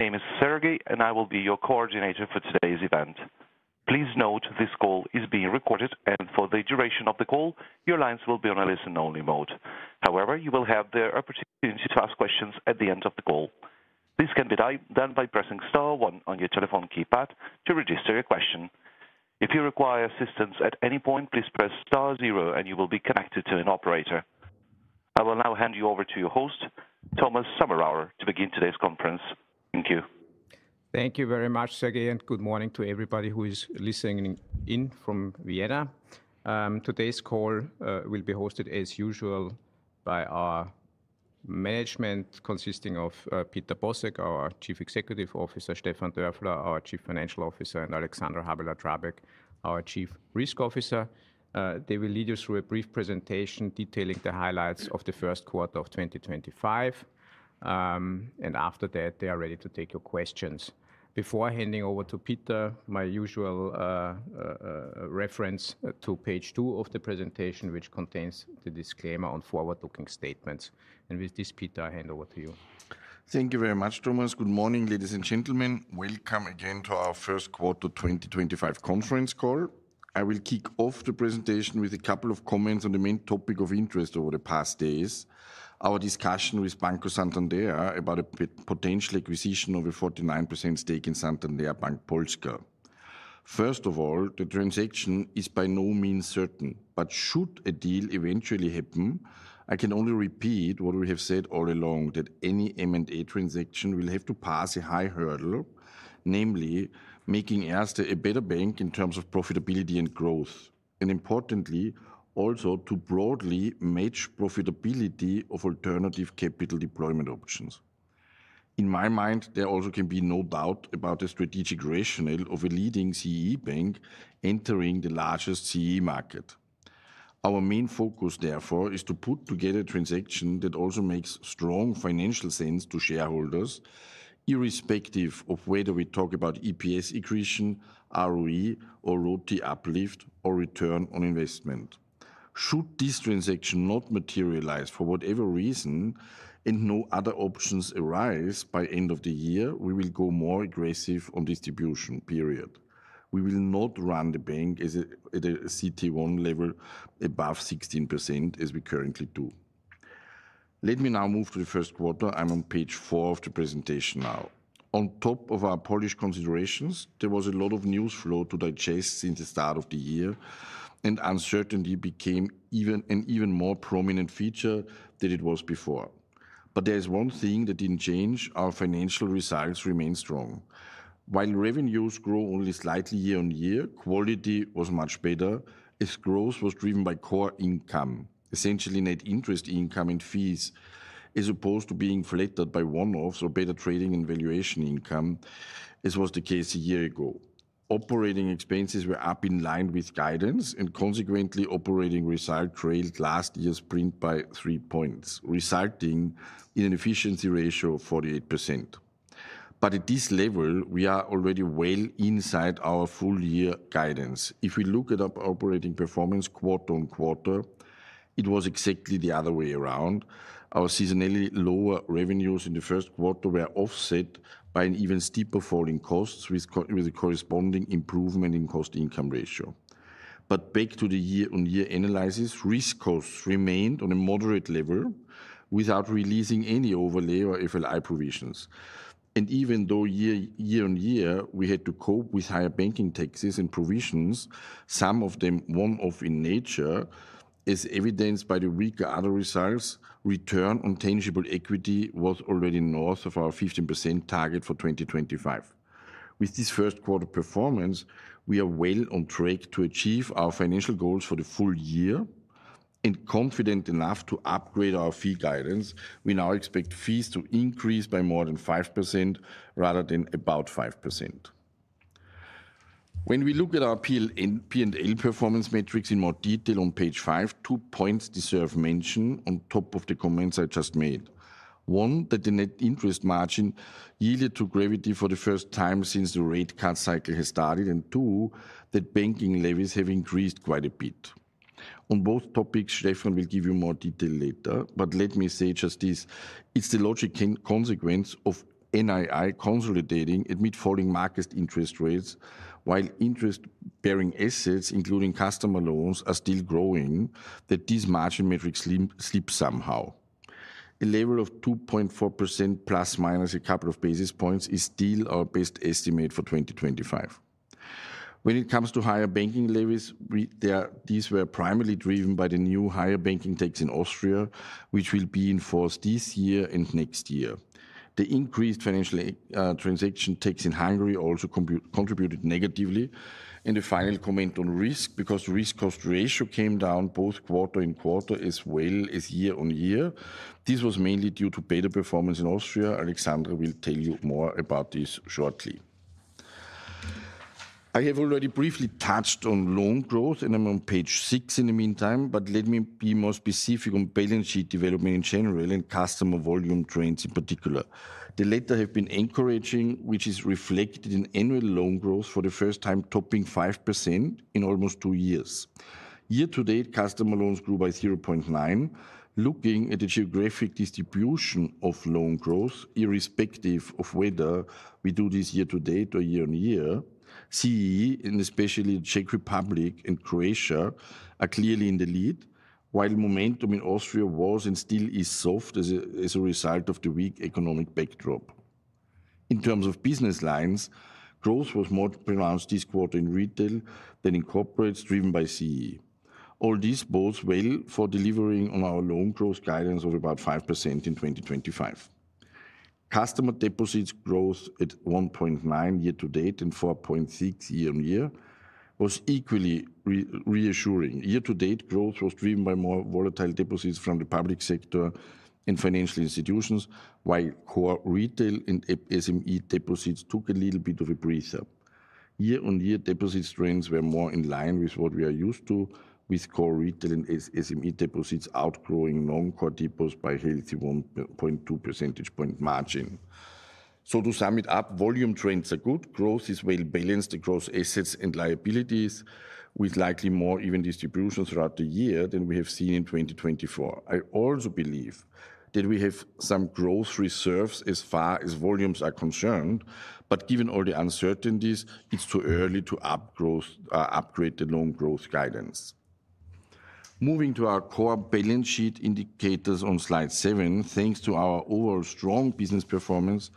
Name is Sergey, and I will be your coordinator for today's event. Please note this call is being recorded, and for the duration of the call, your lines will be on a listen-only mode. However, you will have the opportunity to ask questions at the end of the call. This can be done by pressing star one on your telephone keypad to register your question. If you require assistance at any point, please press star zero, and you will be connected to an operator. I will now hand you over to your host, Thomas Sommerauer, to begin today's conference. Thank you. Thank you very much, Sergey, and good morning to everybody who is listening in from Vienna. Today's call will be hosted, as usual, by our management, consisting of Peter Bosek, our Chief Executive Officer, Stefan Dörfler, our Chief Financial Officer, and Alexandra Habeler-Drabek, our Chief Risk Officer. They will lead you through a brief presentation detailing the highlights of the first quarter of 2025, and after that, they are ready to take your questions. Before handing over to Peter, my usual reference to page two of the presentation, which contains the disclaimer on forward-looking statements. With this, Peter, I hand over to you. Thank you very much, Thomas. Good morning, ladies and gentlemen. Welcome again to our first quarter 2025 conference call. I will kick off the presentation with a couple of comments on the main topic of interest over the past days: our discussion with Banco Santander about a potential acquisition of a 49% stake in Santander Bank Polska. First of all, the transaction is by no means certain, but should a deal eventually happen, I can only repeat what we have said all along, that any M&A transaction will have to pass a high hurdle, namely making Erste a better bank in terms of profitability and growth, and importantly, also to broadly match profitability of alternative capital deployment options. In my mind, there also can be no doubt about the strategic rationale of a leading CEE bank entering the largest CEE market. Our main focus, therefore, is to put together a transaction that also makes strong financial sense to shareholders, irrespective of whether we talk about EPS accretion, ROE, or royalty uplift, or return on investment. Should this transaction not materialize for whatever reason and no other options arise by the end of the year, we will go more aggressive on distribution, period. We will not run the bank at a CET1 level above 16% as we currently do. Let me now move to the first quarter. I'm on page four of the presentation now. On top of our Polish considerations, there was a lot of news flow to digest since the start of the year, and uncertainty became an even more prominent feature than it was before. There is one thing that did not change: our financial results remain strong. While revenues grew only slightly year on year, quality was much better, as growth was driven by core income, essentially net interest income and fees, as opposed to being flattered by one-offs or better trading and valuation income, as was the case a year ago. Operating expenses were up in line with guidance, and consequently, operating result trailed last year's print by three points, resulting in an efficiency ratio of 48%. At this level, we are already well inside our full-year guidance. If we look at our operating performance quarter on quarter, it was exactly the other way around. Our seasonally lower revenues in the first quarter were offset by an even steeper fall in costs with a corresponding improvement in cost-to-income ratio. Back to the year-on-year analysis, risk costs remained on a moderate level without releasing any overlay or FLI provisions. Even though year-on-year, we had to cope with higher banking taxes and provisions, some of them warm-off in nature, as evidenced by the weaker other results, return on tangible equity was already north of our 15% target for 2025. With this first-quarter performance, we are well on track to achieve our financial goals for the full year and confident enough to upgrade our fee guidance. We now expect fees to increase by more than 5% rather than about 5%. When we look at our P&L performance metrics in more detail on page five, two points deserve mention on top of the comments I just made. One, that the net interest margin yielded to gravity for the first time since the rate cut cycle has started, and two, that banking levies have increased quite a bit. On both topics, Stefan will give you more detail later, but let me say just this: it's the logical consequence of NII consolidating amid falling market interest rates, while interest-bearing assets, including customer loans, are still growing, that these margin metrics slip somehow. A level of 2.4% plus minus a couple of basis points is still our best estimate for 2025. When it comes to higher banking levies, these were primarily driven by the new higher banking tax in Austria, which will be enforced this year and next year. The increased financial transaction tax in Hungary also contributed negatively. A final comment on risk: because the risk-cost ratio came down both quarter on quarter, as well as year on year, this was mainly due to better performance in Austria. Alexandra will tell you more about this shortly. I have already briefly touched on loan growth, and I'm on page six in the meantime, but let me be more specific on balance sheet development in general and customer volume trends in particular. The latter have been encouraging, which is reflected in annual loan growth for the first time topping 5% in almost two years. Year-to-date, customer loans grew by 0.9%. Looking at the geographic distribution of loan growth, irrespective of whether we do this year-to-date or year-on-year, CEE, and especially the Czech Republic and Croatia, are clearly in the lead, while momentum in Austria was and still is soft as a result of the weak economic backdrop. In terms of business lines, growth was more pronounced this quarter in retail than in corporates driven by CEE. All this bodes well for delivering on our loan growth guidance of about 5% in 2025. Customer deposits growth at 1.9% year-to-date and 4.6% year-on-year was equally reassuring. Year-to-date growth was driven by more volatile deposits from the public sector and financial institutions, while core retail and SME deposits took a little bit of a breather. Year-on-year deposits trends were more in line with what we are used to, with core retail and SME deposits outgrowing non-core deposits by a healthy 1.2 percentage point margin. To sum it up, volume trends are good. Growth is well balanced across assets and liabilities, with likely more even distributions throughout the year than we have seen in 2024. I also believe that we have some growth reserves as far as volumes are concerned, but given all the uncertainties, it's too early to upgrade the loan growth guidance. Moving to our core balance sheet indicators on slide seven, thanks to our overall strong business performance,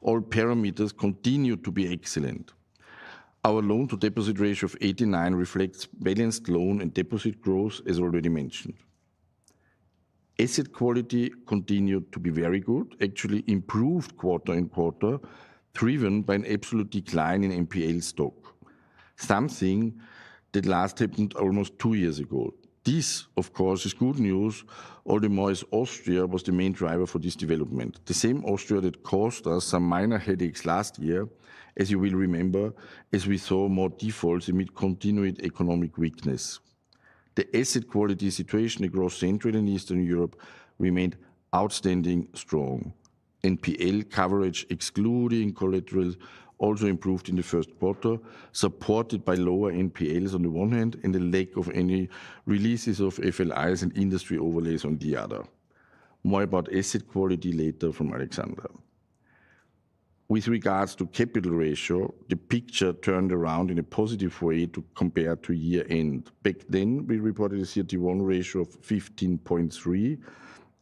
all parameters continue to be excellent. Our loan-to-deposit ratio of 89% reflects balanced loan and deposit growth, as already mentioned. Asset quality continued to be very good, actually improved quarter on quarter, driven by an absolute decline in NPL stock, something that last happened almost two years ago. This, of course, is good news. All the more as Austria was the main driver for this development, the same Austria that caused us some minor headaches last year, as you will remember, as we saw more defaults amid continued economic weakness. The asset quality situation across Central and Eastern Europe remained outstandingly strong. NPL coverage, excluding collateral, also improved in the first quarter, supported by lower NPLs on the one hand and the lack of any releases of FLIs and industry overlays on the other. More about asset quality later from Alexandra. With regards to capital ratio, the picture turned around in a positive way compared to year-end. Back then, we reported a CET1 ratio of 15.3%,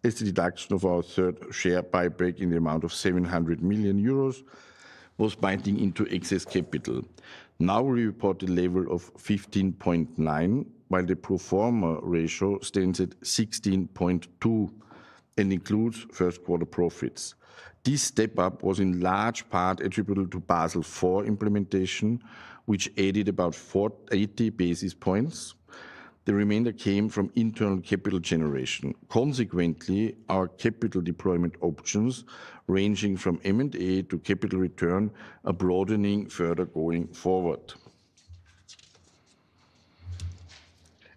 as the deduction of our third share buyback in the amount of 700 million euros was binding into excess capital. Now we report a level of 15.9%, while the pro forma ratio stands at 16.2% and includes first-quarter profits. This step-up was in large part attributable to Basel IV implementation, which added about 80 basis points. The remainder came from internal capital generation. Consequently, our capital deployment options, ranging from M&A to capital return, are broadening further going forward.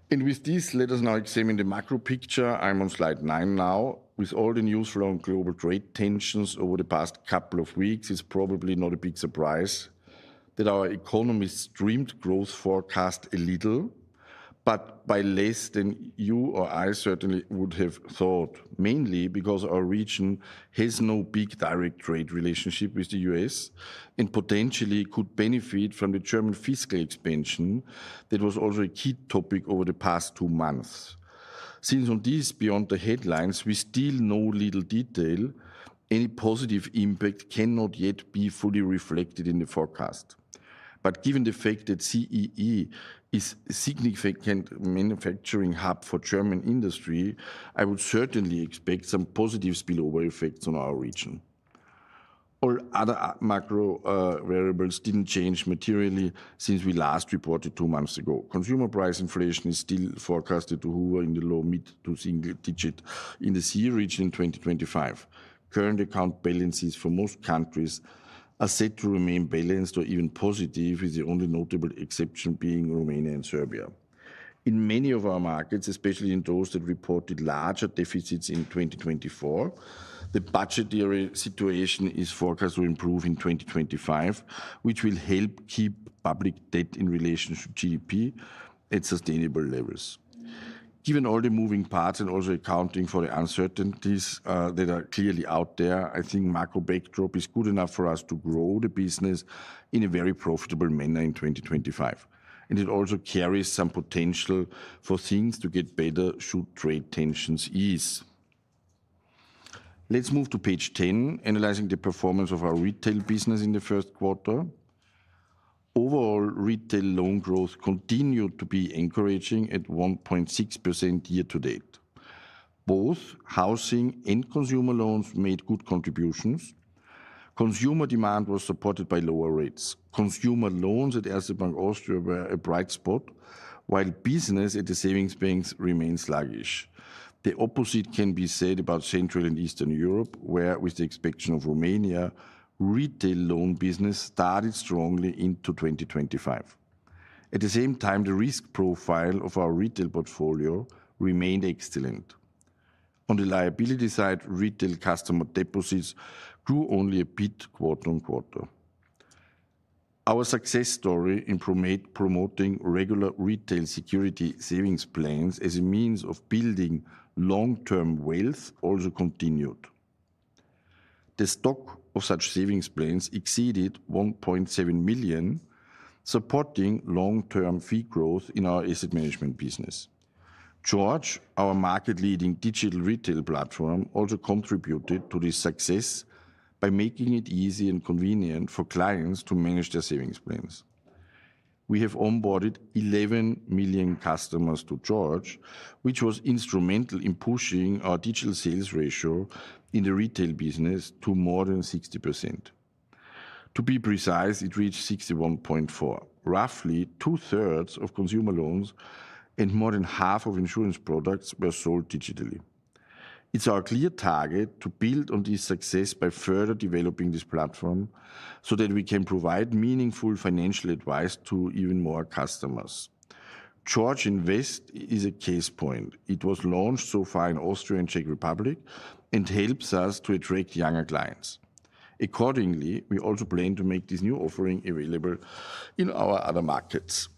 Let us now examine the macro picture. I'm on slide nine now. With all the news from global trade tensions over the past couple of weeks, it's probably not a big surprise that our economy's streamed growth forecast a little, but by less than you or I certainly would have thought, mainly because our region has no big direct trade relationship with the U.S. and potentially could benefit from the German fiscal expansion that was also a key topic over the past two months. Since on this, beyond the headlines, we still know little detail, any positive impact cannot yet be fully reflected in the forecast. Given the fact that CEE is a significant manufacturing hub for German industry, I would certainly expect some positive spillover effects on our region. All other macro variables didn't change materially since we last reported two months ago. Consumer price inflation is still forecasted to hover in the low to mid-single digit in the CEE region in 2025. Current account balances for most countries are set to remain balanced or even positive, with the only notable exception being Romania and Serbia. In many of our markets, especially in those that reported larger deficits in 2024, the budgetary situation is forecast to improve in 2025, which will help keep public debt in relation to GDP at sustainable levels. Given all the moving parts and also accounting for the uncertainties that are clearly out there, I think macro backdrop is good enough for us to grow the business in a very profitable manner in 2025. It also carries some potential for things to get better should trade tensions ease. Let's move to page ten, analyzing the performance of our retail business in the first quarter. Overall, retail loan growth continued to be encouraging at 1.6% year-to-date. Both housing and consumer loans made good contributions. Consumer demand was supported by lower rates. Consumer loans at Erste Bank Austria were a bright spot, while business at the savings banks remained sluggish. The opposite can be said about Central and Eastern Europe, where, with the expansion of Romania, retail loan business started strongly into 2025. At the same time, the risk profile of our retail portfolio remained excellent. On the liability side, retail customer deposits grew only a bit quarter on quarter. Our success story in promoting regular retail security savings plans as a means of building long-term wealth also continued. The stock of such savings plans exceeded 1.7 million, supporting long-term fee growth in our asset management business. George, our market-leading digital retail platform, also contributed to this success by making it easy and convenient for clients to manage their savings plans. We have onboarded 11 million customers to George, which was instrumental in pushing our digital sales ratio in the retail business to more than 60%. To be precise, it reached 61.4%, roughly two-thirds of consumer loans and more than half of insurance products were sold digitally. It's our clear target to build on this success by further developing this platform so that we can provide meaningful financial advice to even more customers. George Invest is a case point. It was launched so far in Austria and Czech Republic and helps us to attract younger clients. Accordingly, we also plan to make this new offering available in our other markets.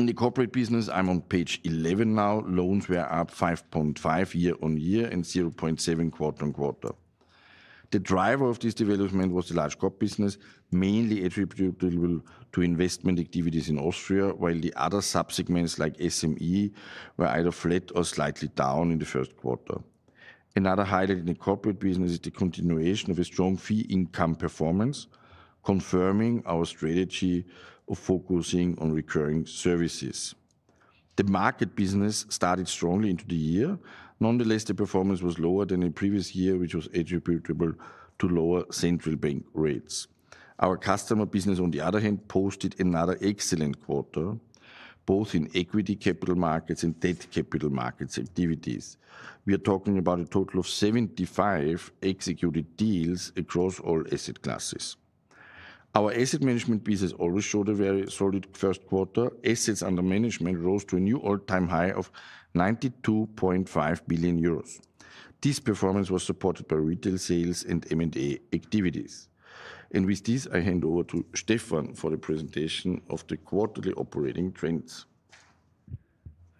In the corporate business, I'm on page 11 now. Loans were up 5.5% year-on-year and 0.7% quarter on quarter. The driver of this development was the large-cap business, mainly attributable to investment activities in Austria, while the other subsegments like SME were either flat or slightly down in the first quarter. Another highlight in the corporate business is the continuation of a strong fee income performance, confirming our strategy of focusing on recurring services. The market business started strongly into the year. Nonetheless, the performance was lower than in previous year, which was attributable to lower central bank rates. Our customer business, on the other hand, posted another excellent quarter, both in equity capital markets and debt capital markets activities. We are talking about a total of 75 executed deals across all asset classes. Our asset management business always showed a very solid first quarter. Assets under management rose to a new all-time high of 92.5 billion euros. This performance was supported by retail sales and M&A activities. With this, I hand over to Stefan for the presentation of the quarterly operating trends.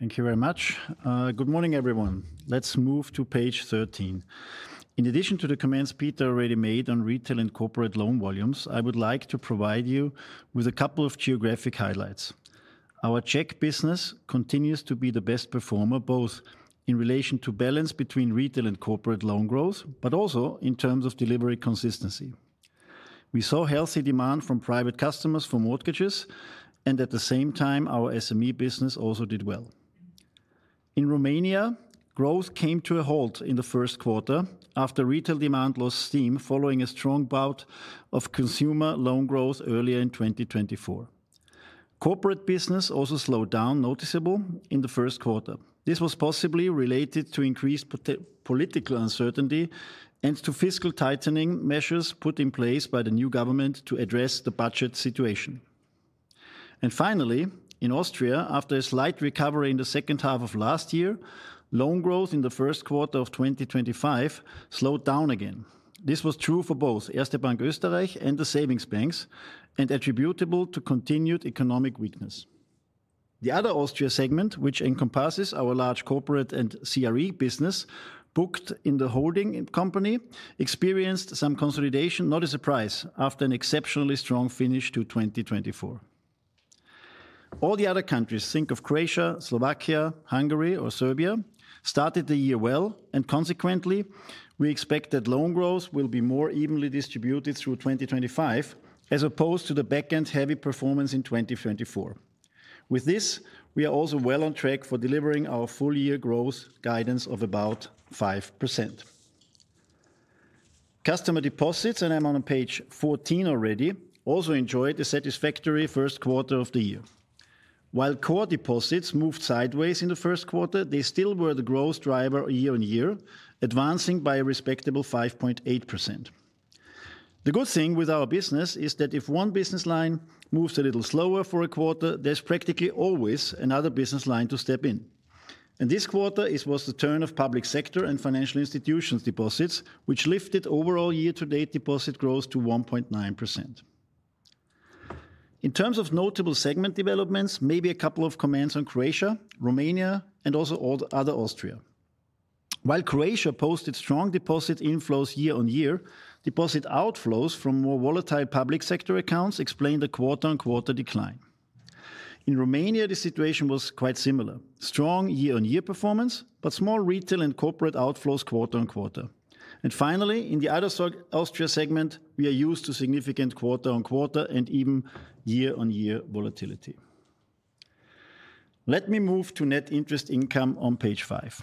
Thank you very much. Good morning, everyone. Let's move to page 13. In addition to the comments Peter already made on retail and corporate loan volumes, I would like to provide you with a couple of geographic highlights. Our Czech business continues to be the best performer, both in relation to balance between retail and corporate loan growth, but also in terms of delivery consistency. We saw healthy demand from private customers for mortgages, and at the same time, our SME business also did well. In Romania, growth came to a halt in the first quarter after retail demand lost steam following a strong bout of consumer loan growth earlier in 2024. Corporate business also slowed down noticeably in the first quarter. This was possibly related to increased political uncertainty and to fiscal tightening measures put in place by the new government to address the budget situation. Finally, in Austria, after a slight recovery in the second half of last year, loan growth in the first quarter of 2025 slowed down again. This was true for both Erste Bank Österreich and the savings banks and attributable to continued economic weakness. The other Austria segment, which encompasses our large corporate and CRE business booked in the holding company, experienced some consolidation, not a surprise, after an exceptionally strong finish to 2024. All the other countries, think of Croatia, Slovakia, Hungary, or Serbia, started the year well, and consequently, we expect that loan growth will be more evenly distributed through 2025 as opposed to the back-end heavy performance in 2024. With this, we are also well on track for delivering our full-year growth guidance of about 5%. Customer deposits, and I'm on page 14 already, also enjoyed a satisfactory first quarter of the year. While core deposits moved sideways in the first quarter, they still were the growth driver year-on-year, advancing by a respectable 5.8%. The good thing with our business is that if one business line moves a little slower for a quarter, there is practically always another business line to step in. This quarter was the turn of public sector and financial institutions deposits, which lifted overall year-to-date deposit growth to 1.9%. In terms of notable segment developments, maybe a couple of comments on Croatia, Romania, and also other Austria. While Croatia posted strong deposit inflows year-on-year, deposit outflows from more volatile public sector accounts explained the quarter-on-quarter decline. In Romania, the situation was quite similar: strong year-on-year performance, but small retail and corporate outflows quarter-on-quarter. Finally, in the other Austria segment, we are used to significant quarter-on-quarter and even year-on-year volatility. Let me move to net interest income on page five.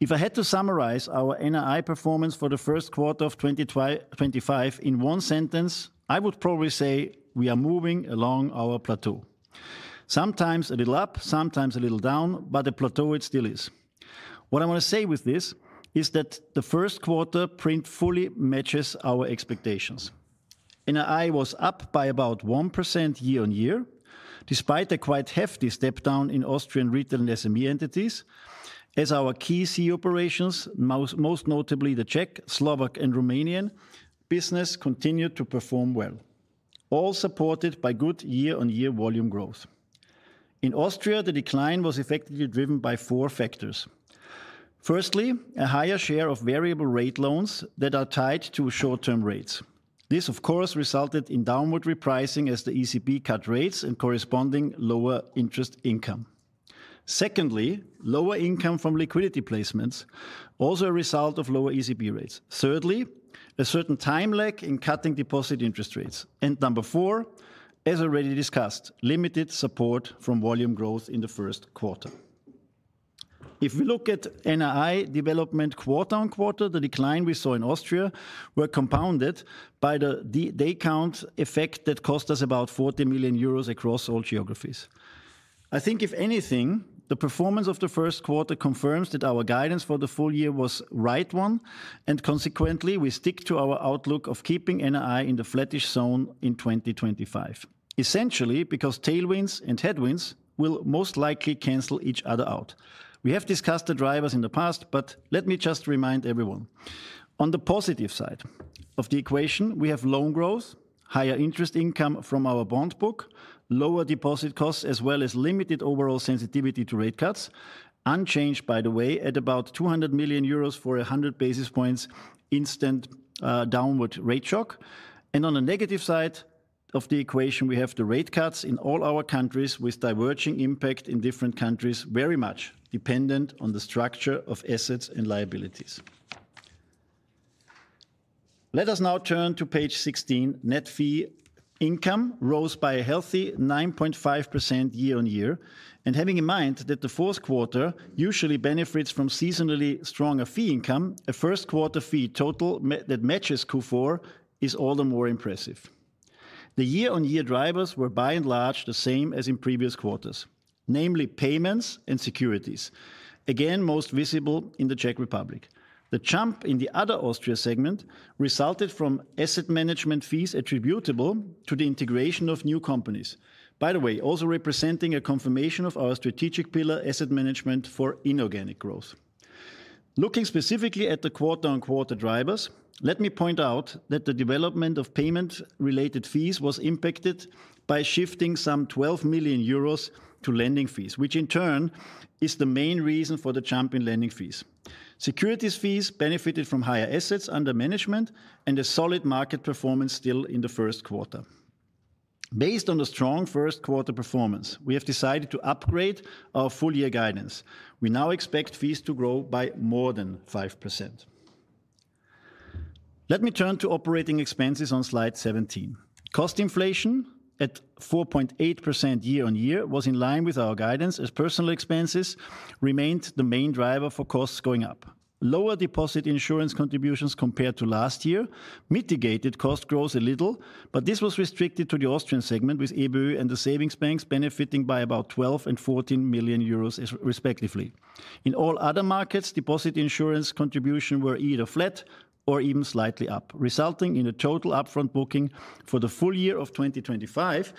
If I had to summarize our NII performance for the first quarter of 2025 in one sentence, I would probably say we are moving along our plateau. Sometimes a little up, sometimes a little down, but a plateau it still is. What I want to say with this is that the first quarter print fully matches our expectations. NII was up by about 1% year-on-year, despite a quite hefty step-down in Austrian retail and SME entities, as our key CEE operations, most notably the Czech, Slovak, and Romanian business, continued to perform well, all supported by good year-on-year volume growth. In Austria, the decline was effectively driven by four factors. Firstly, a higher share of variable-rate loans that are tied to short-term rates. This, of course, resulted in downward repricing as the ECB cut rates and corresponding lower interest income. Secondly, lower income from liquidity placements, also a result of lower ECB rates. Thirdly, a certain time lag in cutting deposit interest rates. Number four, as already discussed, limited support from volume growth in the first quarter. If we look at NII development quarter-on-quarter, the decline we saw in Austria was compounded by the day-count effect that cost us about 40 million euros across all geographies. I think, if anything, the performance of the first quarter confirms that our guidance for the full year was the right one, and consequently, we stick to our outlook of keeping NII in the flattish zone in 2025, essentially because tailwinds and headwinds will most likely cancel each other out. We have discussed the drivers in the past, but let me just remind everyone. On the positive side of the equation, we have loan growth, higher interest income from our bond book, lower deposit costs, as well as limited overall sensitivity to rate cuts, unchanged, by the way, at about 200 million euros for 100 basis points instant downward rate shock. On the negative side of the equation, we have the rate cuts in all our countries, with diverging impact in different countries very much dependent on the structure of assets and liabilities. Let us now turn to page 16. Net fee income rose by a healthy 9.5% year-on-year. Having in mind that the fourth quarter usually benefits from seasonally stronger fee income, a first-quarter fee total that matches Q4 is all the more impressive. The year-on-year drivers were by and large the same as in previous quarters, namely payments and securities, again most visible in the Czech Republic. The jump in the other Austria segment resulted from asset management fees attributable to the integration of new companies, by the way, also representing a confirmation of our strategic pillar asset management for inorganic growth. Looking specifically at the quarter-on-quarter drivers, let me point out that the development of payment-related fees was impacted by shifting some 12 million euros to lending fees, which in turn is the main reason for the jump in lending fees. Securities fees benefited from higher assets under management and a solid market performance still in the first quarter. Based on the strong first-quarter performance, we have decided to upgrade our full-year guidance. We now expect fees to grow by more than 5%. Let me turn to operating expenses on slide 17. Cost inflation at 4.8% year-on-year was in line with our guidance, as personnel expenses remained the main driver for costs going up. Lower deposit insurance contributions compared to last year mitigated cost growth a little, but this was restricted to the Austrian segment, with EBU and the savings banks benefiting by about 12 million and 14 million euros, respectively. In all other markets, deposit insurance contributions were either flat or even slightly up, resulting in a total upfront booking for the full year of 2025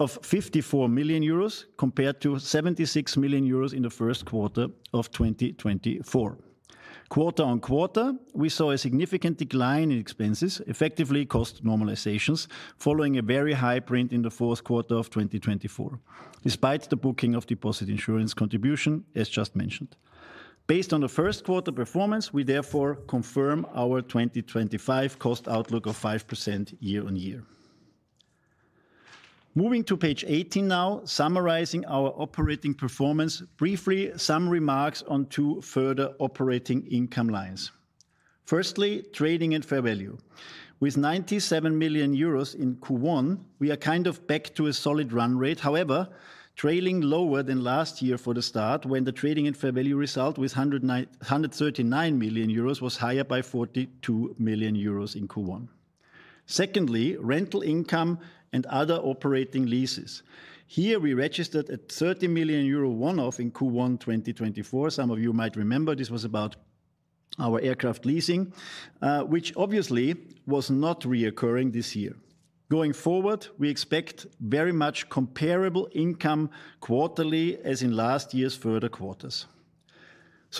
of 54 million euros compared to 76 million euros in the first quarter of 2024. Quarter-on-quarter, we saw a significant decline in expenses, effectively cost normalizations, following a very high print in the fourth quarter of 2024, despite the booking of deposit insurance contribution, as just mentioned. Based on the first-quarter performance, we therefore confirm our 2025 cost outlook of 5% year-on-year. Moving to page 18 now, summarizing our operating performance briefly, some remarks on two further operating income lines. Firstly, trading and fair value. With 97 million euros in Q1, we are kind of back to a solid run rate, however trailing lower than last year for the start, when the trading and fair value result with 139 million euros was higher by 42 million euros in Q1. Secondly, rental income and other operating leases. Here we registered a 30 million euro one-off in Q1 2024. Some of you might remember this was about our aircraft leasing, which obviously was not reoccurring this year. Going forward, we expect very much comparable income quarterly as in last year's further quarters.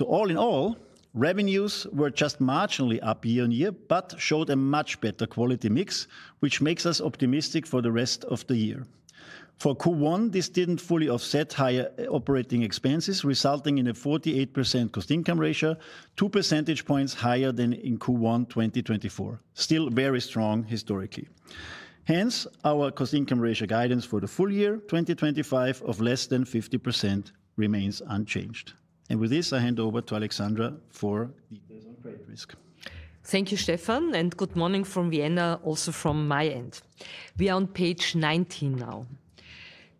All in all, revenues were just marginally up year-on-year, but showed a much better quality mix, which makes us optimistic for the rest of the year. For Q1, this did not fully offset higher operating expenses, resulting in a 48% cost income ratio, two percentage points higher than in Q1 2024, still very strong historically. Hence, our cost income ratio guidance for the full year 2025 of less than 50% remains unchanged. With this, I hand over to Alexandra for details on credit risk. Thank you, Stefan, and good morning from Vienna, also from my end. We are on page 19 now.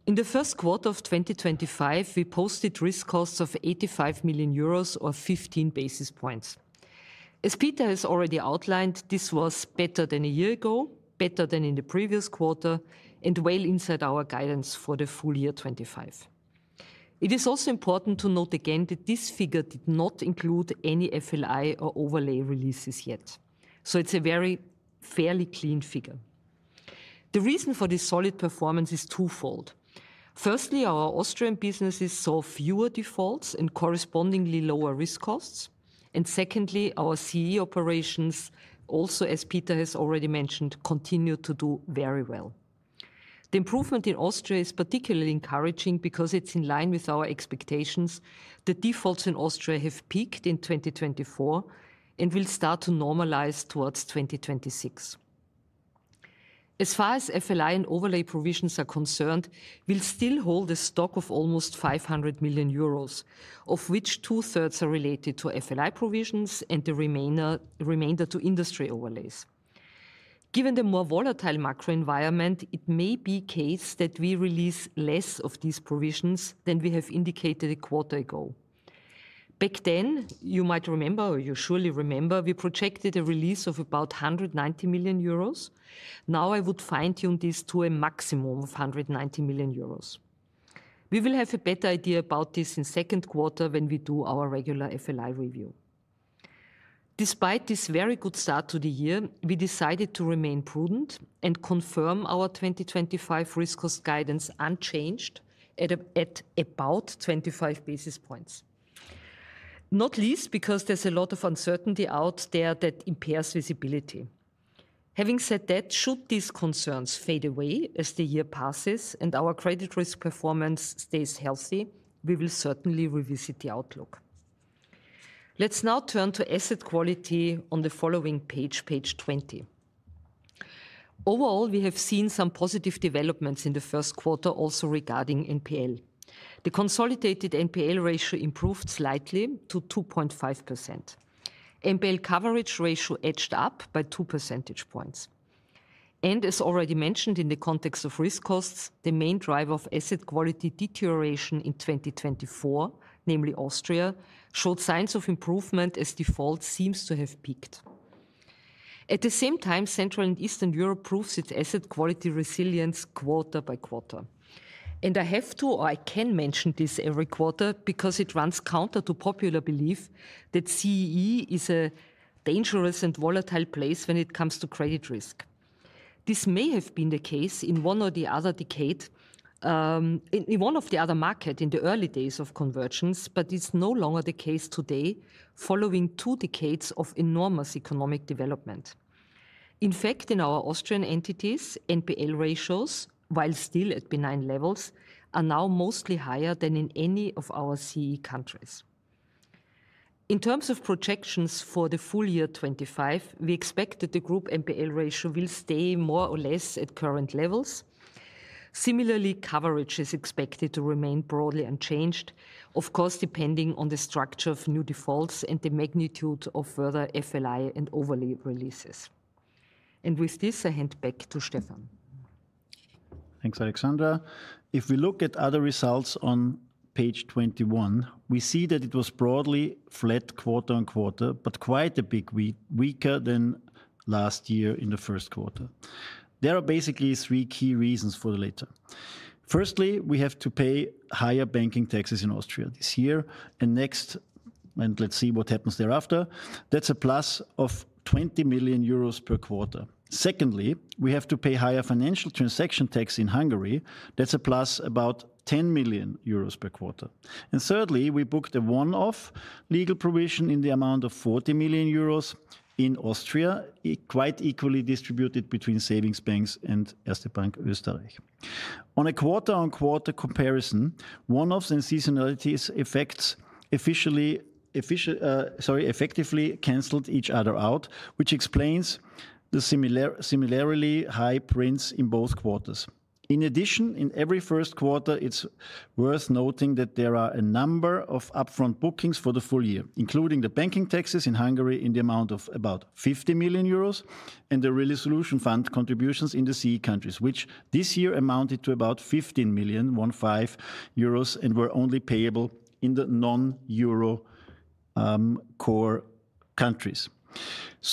In the first quarter of 2025, we posted risk costs of 85 million euros or 15 basis points. As Peter has already outlined, this was better than a year ago, better than in the previous quarter, and well inside our guidance for the full year 2025. It is also important to note again that this figure did not include any FLI or overlay releases yet, so it's a very fairly clean figure. The reason for this solid performance is twofold. Firstly, our Austrian businesses saw fewer defaults and correspondingly lower risk costs. Secondly, our CE operations, also, as Peter has already mentioned, continued to do very well. The improvement in Austria is particularly encouraging because it's in line with our expectations. The defaults in Austria have peaked in 2024 and will start to normalize towards 2026. As far as FLI and overlay provisions are concerned, we will still hold a stock of almost 500 million euros, of which two-thirds are related to FLI provisions and the remainder to industry overlays. Given the more volatile macro environment, it may be the case that we release less of these provisions than we have indicated a quarter ago. Back then, you might remember, or you surely remember, we projected a release of about 190 million euros. Now I would fine-tune this to a maximum of 190 million euros. We will have a better idea about this in the second quarter when we do our regular FLI review. Despite this very good start to the year, we decided to remain prudent and confirm our 2025 risk cost guidance unchanged at about 25 basis points, not least because there is a lot of uncertainty out there that impairs visibility. Having said that, should these concerns fade away as the year passes and our credit risk performance stays healthy, we will certainly revisit the outlook. Let's now turn to asset quality on the following page, page 20. Overall, we have seen some positive developments in the first quarter, also regarding NPL. The consolidated NPL ratio improved slightly to 2.5%. NPL coverage ratio edged up by two percentage points. As already mentioned in the context of risk costs, the main driver of asset quality deterioration in 2024, namely Austria, showed signs of improvement as default seems to have peaked. At the same time, Central and Eastern Europe proves its asset quality resilience quarter by quarter. I have to, or I can mention this every quarter because it runs counter to popular belief that CEE is a dangerous and volatile place when it comes to credit risk. This may have been the case in one or the other decade, in one of the other markets in the early days of convergence, but it's no longer the case today, following two decades of enormous economic development. In fact, in our Austrian entities, NPL ratios, while still at benign levels, are now mostly higher than in any of our CEE countries. In terms of projections for the full year 2025, we expect that the group NPL ratio will stay more or less at current levels. Similarly, coverage is expected to remain broadly unchanged, of course, depending on the structure of new defaults and the magnitude of further FLI and overlay releases. With this, I hand back to Stefan. Thanks, Alexandra. If we look at other results on page 21, we see that it was broadly flat quarter on quarter, but quite a bit weaker than last year in the first quarter. There are basically three key reasons for the latter. Firstly, we have to pay higher banking taxes in Austria this year. Next, and let's see what happens thereafter, that's a plus of 20 million euros per quarter. Secondly, we have to pay higher financial transaction tax in Hungary. That's a plus of about 10 million euros per quarter. Thirdly, we booked a one-off legal provision in the amount of 40 million euros in Austria, quite equally distributed between savings banks and Erste Bank Österreich. On a quarter-on-quarter comparison, one-offs and seasonalities effectively canceled each other out, which explains the similarly high prints in both quarters. In addition, in every first quarter, it's worth noting that there are a number of upfront bookings for the full year, including the banking taxes in Hungary in the amount of 50 million euros and the resolution fund contributions in the CEE countries, which this year amounted to 15 million euros, 15 euros, and were only payable in the non-Euro core countries.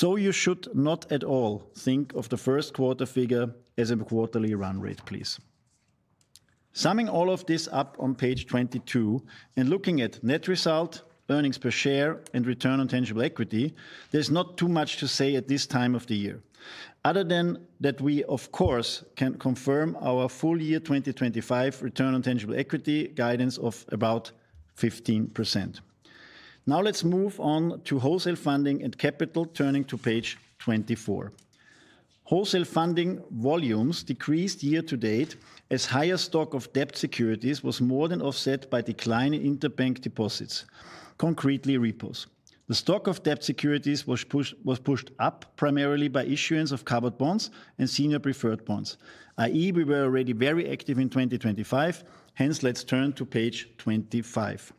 You should not at all think of the first quarter figure as a quarterly run rate, please. Summing all of this up on page 22 and looking at net result, earnings per share, and return on tangible equity, there's not too much to say at this time of the year, other than that we, of course, can confirm our full year 2025 return on tangible equity guidance of about 15%. Now let's move on to wholesale funding and capital, turning to page 24. Wholesale funding volumes decreased year to date as higher stock of debt securities was more than offset by decline in interbank deposits, concretely repos. The stock of debt securities was pushed up primarily by issuance of covered bonds and senior preferred bonds, i.e., we were already very active in 2025. Hence, let's turn to page 25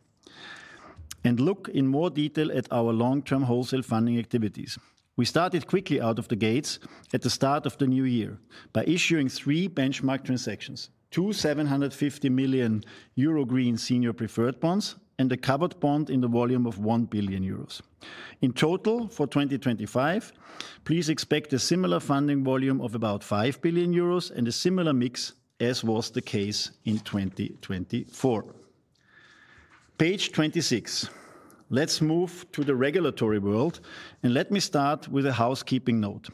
and look in more detail at our long-term wholesale funding activities. We started quickly out of the gates at the start of the new year by issuing three benchmark transactions: two 750 million Euro Green senior preferred bonds and a covered bond in the volume of 1 billion euros. In total for 2025, please expect a similar funding volume of about 5 billion euros and a similar mix as was the case in 2024. Page 26. Let's move to the regulatory world, and let me start with a housekeeping note.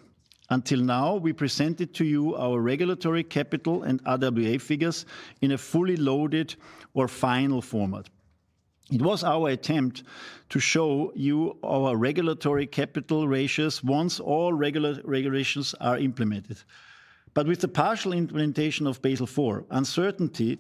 Until now, we presented to you our regulatory capital and [RWA] figures in a fully loaded or final format. It was our attempt to show you our regulatory capital ratios once all regulations are implemented. With the partial implementation of Basel IV, uncertainty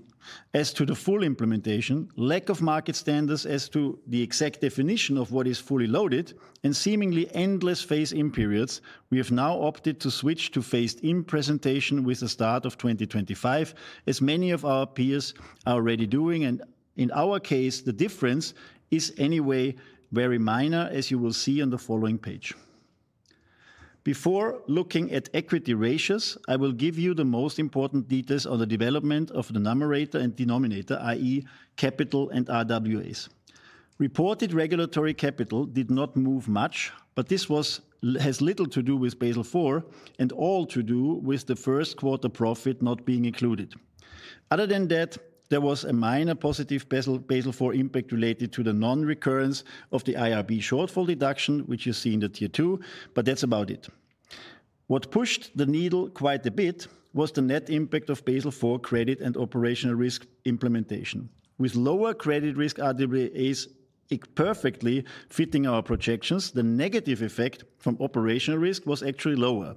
as to the full implementation, lack of market standards as to the exact definition of what is fully loaded, and seemingly endless phase-in periods, we have now opted to switch to phased-in presentation with the start of 2025, as many of our peers are already doing. In our case, the difference is anyway very minor, as you will see on the following page. Before looking at equity ratios, I will give you the most important details on the development of the numerator and denominator, i.e., capital and RWAs. Reported regulatory capital did not move much, but this has little to do with Basel IV and all to do with the first quarter profit not being included. Other than that, there was a minor positive Basel IV impact related to the non-recurrence of the IRB shortfall deduction, which you see in the tier two, but that's about it. What pushed the needle quite a bit was the net impact of Basel IV credit and operational risk implementation. With lower credit risk RWAs perfectly fitting our projections, the negative effect from operational risk was actually lower,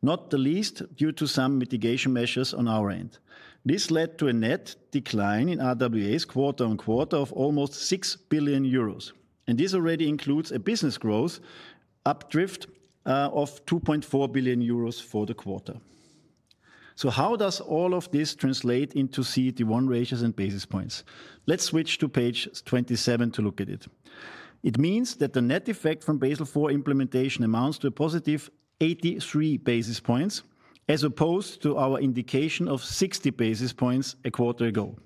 not the least due to some mitigation measures on our end. This led to a net decline in RWAs quarter on quarter of almost 6 billion euros. This already includes a business growth updrift of 2.4 billion euros for the quarter. How does all of this translate into CET1 ratios and basis points? Let's switch to page 27 to look at it. It means that the net effect from Basel IV implementation amounts to a positive 83 basis points as opposed to our indication of 60 basis points a quarter ago.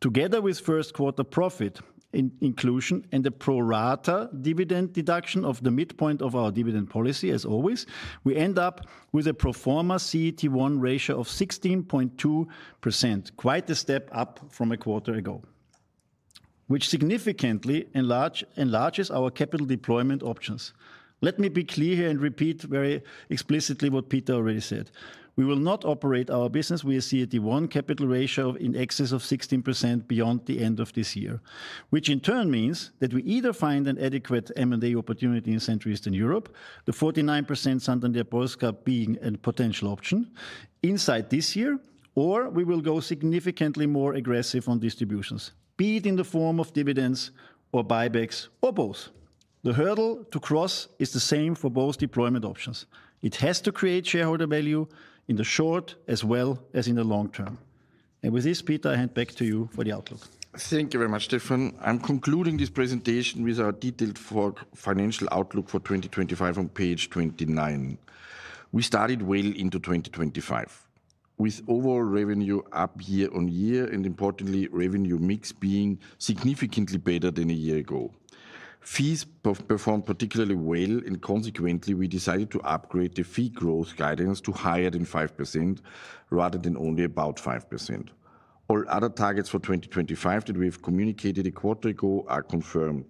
Together with first quarter profit inclusion and the pro rata dividend deduction of the midpoint of our dividend policy, as always, we end up with a pro forma CET1 ratio of 16.2%, quite a step up from a quarter ago, which significantly enlarges our capital deployment options. Let me be clear here and repeat very explicitly what Peter already said. We will not operate our business with a CET1 capital ratio in excess of 16% beyond the end of this year, which in turn means that we either find an adequate M&A opportunity in Central Eastern Europe, the 49% Santander Bank Polska being a potential option inside this year, or we will go significantly more aggressive on distributions, be it in the form of dividends or buybacks or both. The hurdle to cross is the same for both deployment options. It has to create shareholder value in the short as well as in the long term. With this, Peter, I hand back to you for the outlook. Thank you very much, Stefan. I am concluding this presentation with our detailed financial outlook for 2025 on page 29. We started well into 2025 with overall revenue up year on year and, importantly, revenue mix being significantly better than a year ago. Fees performed particularly well, and consequently, we decided to upgrade the fee growth guidance to higher than 5% rather than only about 5%. All other targets for 2025 that we have communicated a quarter ago are confirmed.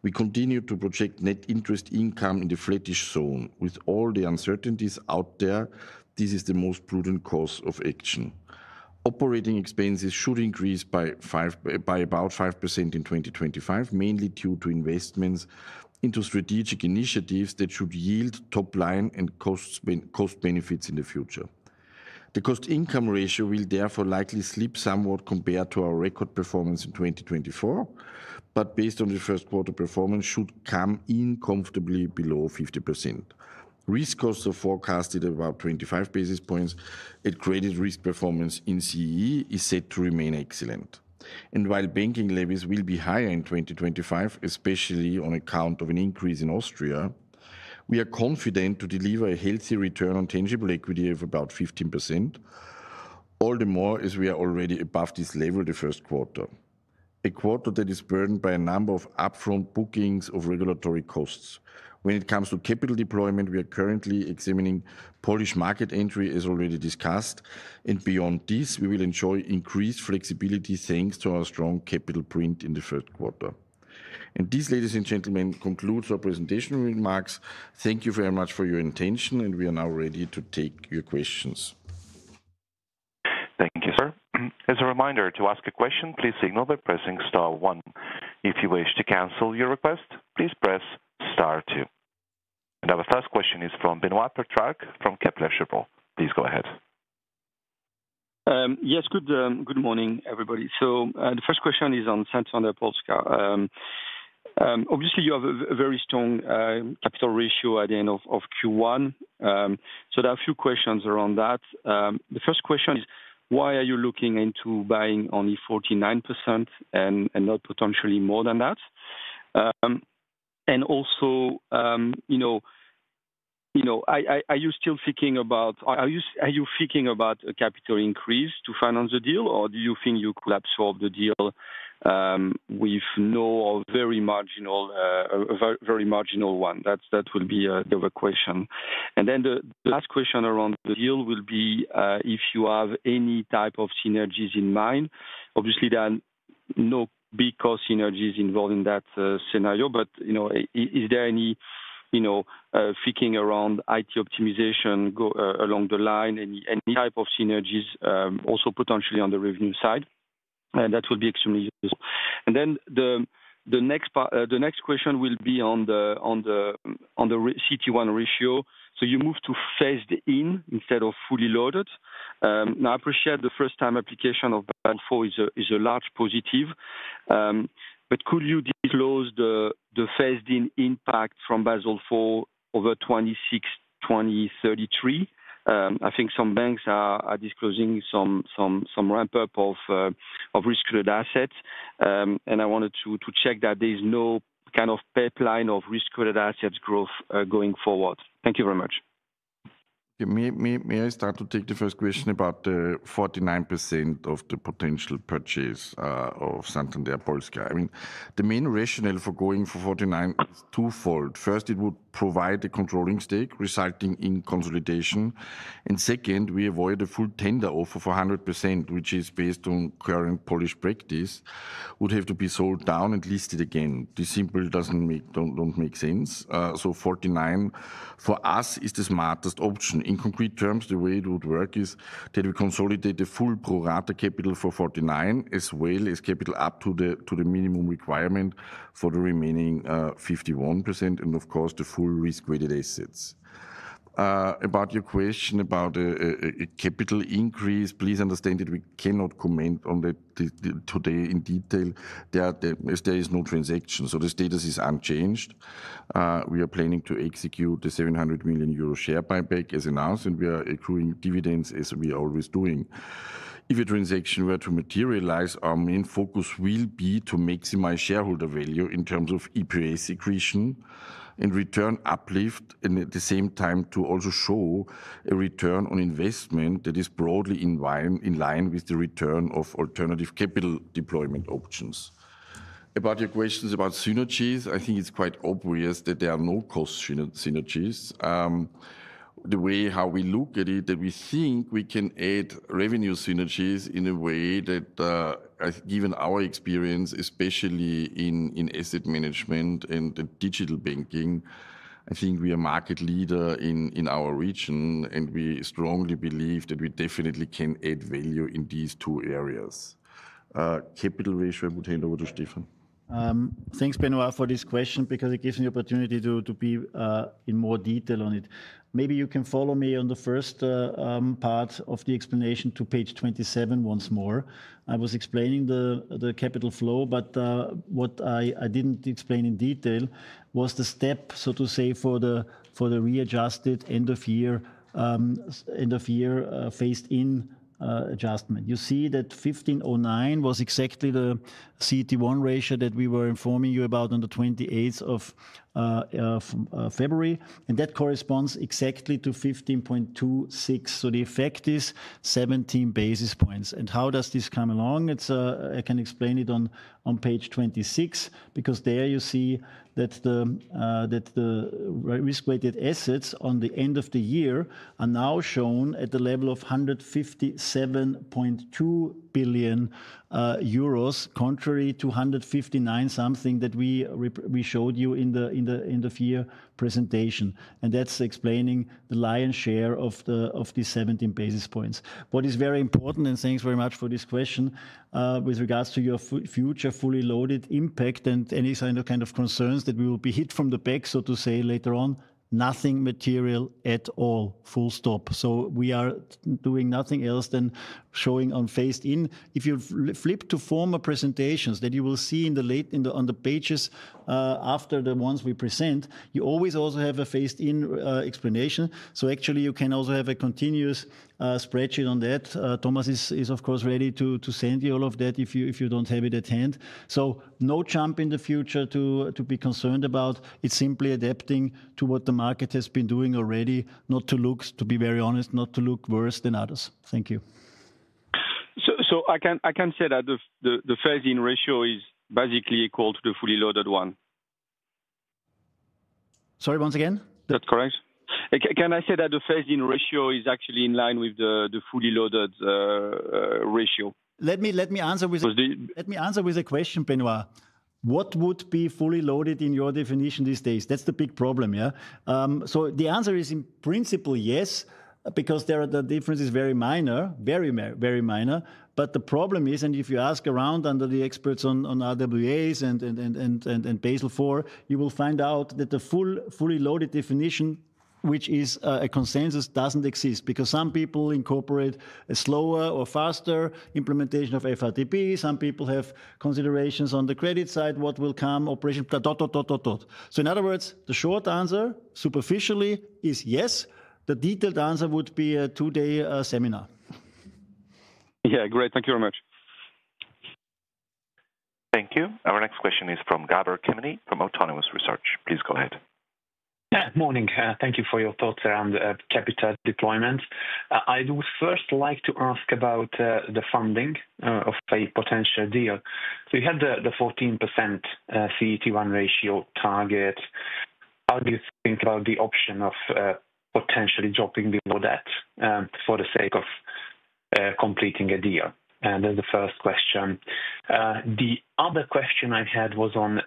We continue to project net interest income in the flattish zone. With all the uncertainties out there, this is the most prudent course of action. Operating expenses should increase by about 5% in 2025, mainly due to investments into strategic initiatives that should yield top line and cost benefits in the future. The cost income ratio will therefore likely slip somewhat compared to our record performance in 2024, but based on the first quarter performance, should come in comfortably below 50%. Risk costs are forecasted at about 25 basis points. At graded risk performance in CEE, it is said to remain excellent. While banking levies will be higher in 2025, especially on account of an increase in Austria, we are confident to deliver a healthy return on tangible equity of about 15%, all the more as we are already above this level the first quarter, a quarter that is burdened by a number of upfront bookings of regulatory costs. When it comes to capital deployment, we are currently examining Polish market entry, as already discussed. Beyond this, we will enjoy increased flexibility thanks to our strong capital print in the first quarter. This, ladies and gentlemen, concludes our presentation remarks. Thank you very much for your attention, and we are now ready to take your questions. Thank you, sir. As a reminder, to ask a question, please signal by pressing Star one. If you wish to cancel your request, please press Star two. Our first question is from Benoît Pétrarque from Kepler Cheuvreux. Please go ahead. Yes, good morning, everybody. The first question is on Santander Bank Polska. Obviously, you have a very strong capital ratio at the end of Q1. There are a few questions around that. The first question is, why are you looking into buying only 49% and not potentially more than that? Also, you know, are you still thinking about, are you thinking about a capital increase to finance the deal, or do you think you could absorb the deal with no or a very marginal, very marginal one? That will be the question. The last question around the deal will be if you have any type of synergies in mind. Obviously, there are no big cost synergies involved in that scenario, but is there any thinking around IT optimization along the line, any type of synergies also potentially on the revenue side? That would be extremely useful. The next question will be on the CET1 ratio. You move to phased-in instead of fully loaded. Now, I appreciate the first-time application of Basel IV is a large positive, but could you disclose the phased-in impact from Basel IV over 2026, 2033? I think some banks are disclosing some ramp-up of risk-related assets, and I wanted to check that there is no kind of pipeline of risk-related assets growth going forward. Thank you very much. May I start to take the first question about the 49% of the potential purchase of Santander Bank Polska? I mean, the main rationale for going for 49% is twofold. First, it would provide a controlling stake resulting in consolidation. Second, we avoid a full tender offer for 100%, which, based on current Polish practice, would have to be sold down and listed again. This simply does not make sense. 49% for us is the smartest option. In concrete terms, the way it would work is that we consolidate the full pro rata capital for 49% as well as capital up to the minimum requirement for the remaining 51% and, of course, the full risk-weighted assets. About your question about a capital increase, please understand that we cannot comment on that today in detail. There is no transaction, so the status is unchanged. We are planning to execute the 700 million euro share buyback as announced, and we are accruing dividends as we are always doing. If a transaction were to materialize, our main focus will be to maximize shareholder value in terms of EPA secretion and return uplift, and at the same time, to also show a return on investment that is broadly in line with the return of alternative capital deployment options. About your questions about synergies, I think it's quite obvious that there are no cost synergies. The way how we look at it, that we think we can add revenue synergies in a way that, given our experience, especially in asset management and digital banking, I think we are a market leader in our region, and we strongly believe that we definitely can add value in these two areas. Capital ratio would hand over to Stefan. Thanks, Benoit, for this question because it gives me the opportunity to be in more detail on it. Maybe you can follow me on the first part of the explanation to page 27 once more. I was explaining the capital flow, but what I did not explain in detail was the step, so to say, for the readjusted end of year, end of year phased-in adjustment. You see that 15.09 was exactly the CET1 ratio that we were informing you about on the 28th of February, and that corresponds exactly to 15.26. The effect is 17 basis points. How does this come along? I can explain it on page 26 because there you see that the risk-weighted assets on the end of the year are now shown at the level of 157.2 billion euros, contrary to 159 something that we showed you in the end of year presentation. That is explaining the lion's share of the 17 basis points. What is very important, and thanks very much for this question, with regards to your future fully loaded impact and any kind of concerns that we will be hit from the back, so to say, later on, nothing material at all. Full stop. We are doing nothing else than showing on phased-in. If you flip to former presentations that you will see in the pages after the ones we present, you always also have a phased-in explanation. Actually, you can also have a continuous spreadsheet on that. Thomas is, of course, ready to send you all of that if you don't have it at hand. No jump in the future to be concerned about. It's simply adapting to what the market has been doing already, not to look, to be very honest, not to look worse than others. Thank you. I can say that the phased-in ratio is basically equal to the fully loaded one. Sorry, once again? That's correct. Can I say that the phased-in ratio is actually in line with the fully loaded ratio? Let me answer with a question, Benoit. What would be fully loaded in your definition these days? That's the big problem, yeah? The answer is, in principle, yes, because the difference is very minor, very, very minor. The problem is, and if you ask around under the experts on RWAs and Basel IV, you will find out that the fully loaded definition, which is a consensus, does not exist because some people incorporate a slower or faster implementation of FRTP. Some people have considerations on the credit side, what will come, operation, [dot, dot, dot, dot, dot, dot]. In other words, the short answer, superficially, is yes. The detailed answer would be a two-day seminar. Yeah, great. Thank you very much. Thank you. Our next question is from Gabor Kemeny from Bernstein Autonomous. Please go ahead. Good morning. Thank you for your thoughts around capital deployment. I would first like to ask about the funding of a potential deal. You had the 14% CET1 ratio target. How do you think about the option of potentially dropping below that for the sake of completing a deal? That's the first question. The other question I had was on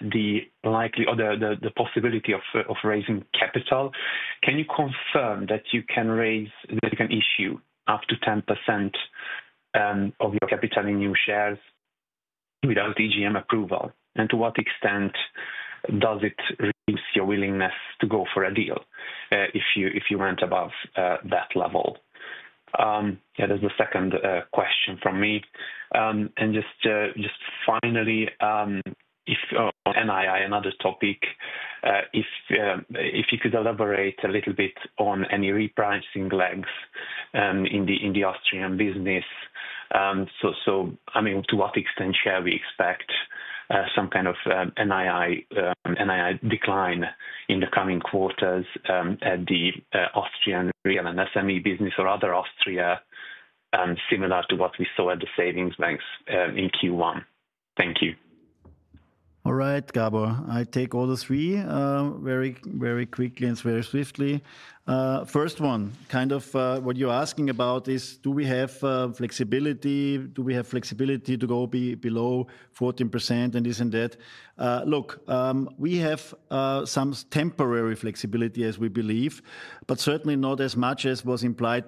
the likely or the possibility of raising capital. Can you confirm that you can raise, that you can issue up to 10% of your capital in new shares without EGM approval? And to what extent does it reduce your willingness to go for a deal if you went above that level? Yeah, that's the second question from me. Just finally, I have another topic. If you could elaborate a little bit on any repricing lags in the Austrian business. I mean, to what extent shall we expect some kind of NII decline in the coming quarters at the Austrian real and SME business or other Austria, similar to what we saw at the savings banks in Q1? Thank you. All right, Gabor. I take all the three very, very quickly and very swiftly. First one, kind of what you're asking about is, do we have flexibility? Do we have flexibility to go below 14% and this and that? Look, we have some temporary flexibility, as we believe, but certainly not as much as was implied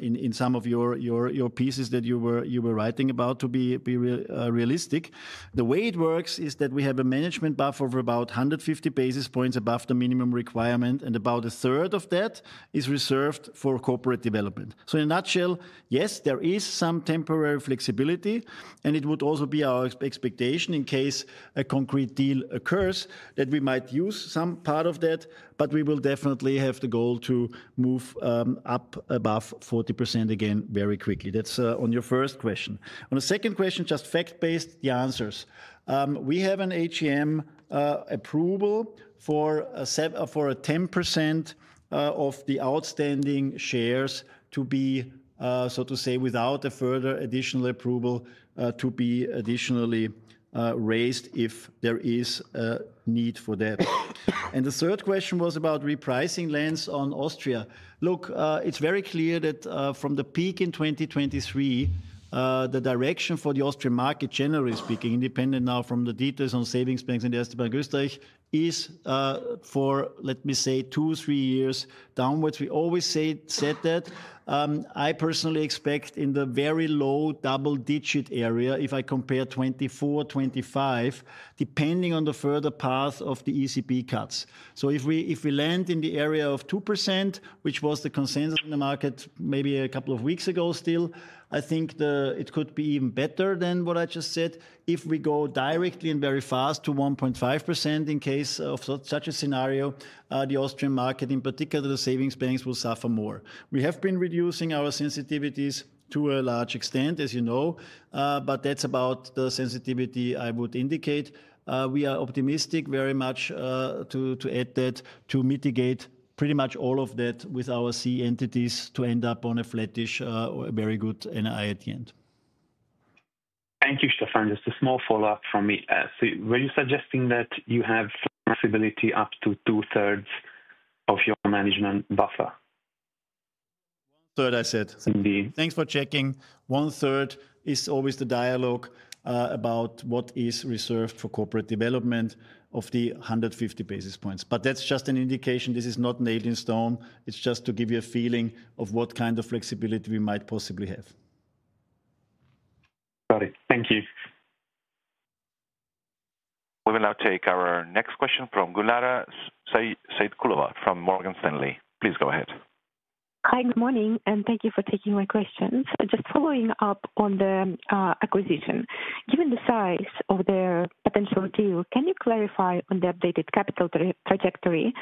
in some of your pieces that you were writing about to be realistic. The way it works is that we have a management buffer of about 150 basis points above the minimum requirement, and about a third of that is reserved for corporate development. In a nutshell, yes, there is some temporary flexibility, and it would also be our expectation in case a concrete deal occurs that we might use some part of that, but we will definitely have the goal to move up above 40% again very quickly. That is on your first question. On the second question, just fact-based the answers. We have an HEM approval for a 10% of the outstanding shares to be, so to say, without a further additional approval to be additionally raised if there is a need for that. The third question was about repricing lens on Austria. Look, it's very clear that from the peak in 2023, the direction for the Austrian market, generally speaking, independent now from the details on savings banks and the SB Bank Österreich, is for, let me say, two-three years downwards. We always said that. I personally expect in the very low double-digit area if I compare 2024, 2025, depending on the further path of the ECB cuts. If we land in the area of 2%, which was the consensus in the market maybe a couple of weeks ago still, I think it could be even better than what I just said. If we go directly and very fast to 1.5% in case of such a scenario, the Austrian market, in particular the savings banks, will suffer more. We have been reducing our sensitivities to a large extent, as you know, but that's about the sensitivity I would indicate. We are optimistic very much to add that to mitigate pretty much all of that with our C entities to end up on a flattish or a very good NII at the end. Thank you, Stefan. Just a small follow-up from me. Were you suggesting that you have flexibility up to two-thirds of your management buffer? One-third, I said. Thanks for checking. One-third is always the dialogue about what is reserved for corporate development of the 150 basis points. That is just an indication. This is not nailed in stone. It is just to give you a feeling of what kind of flexibility we might possibly have. Got it. Thank you. We will now take our next question from Gulnara Saitkulova from Morgan Stanley. Please go ahead. Hi, good morning, and thank you for taking my questions. Just following up on the acquisition, given the size of the potential deal, can you clarify on the updated capital trajectory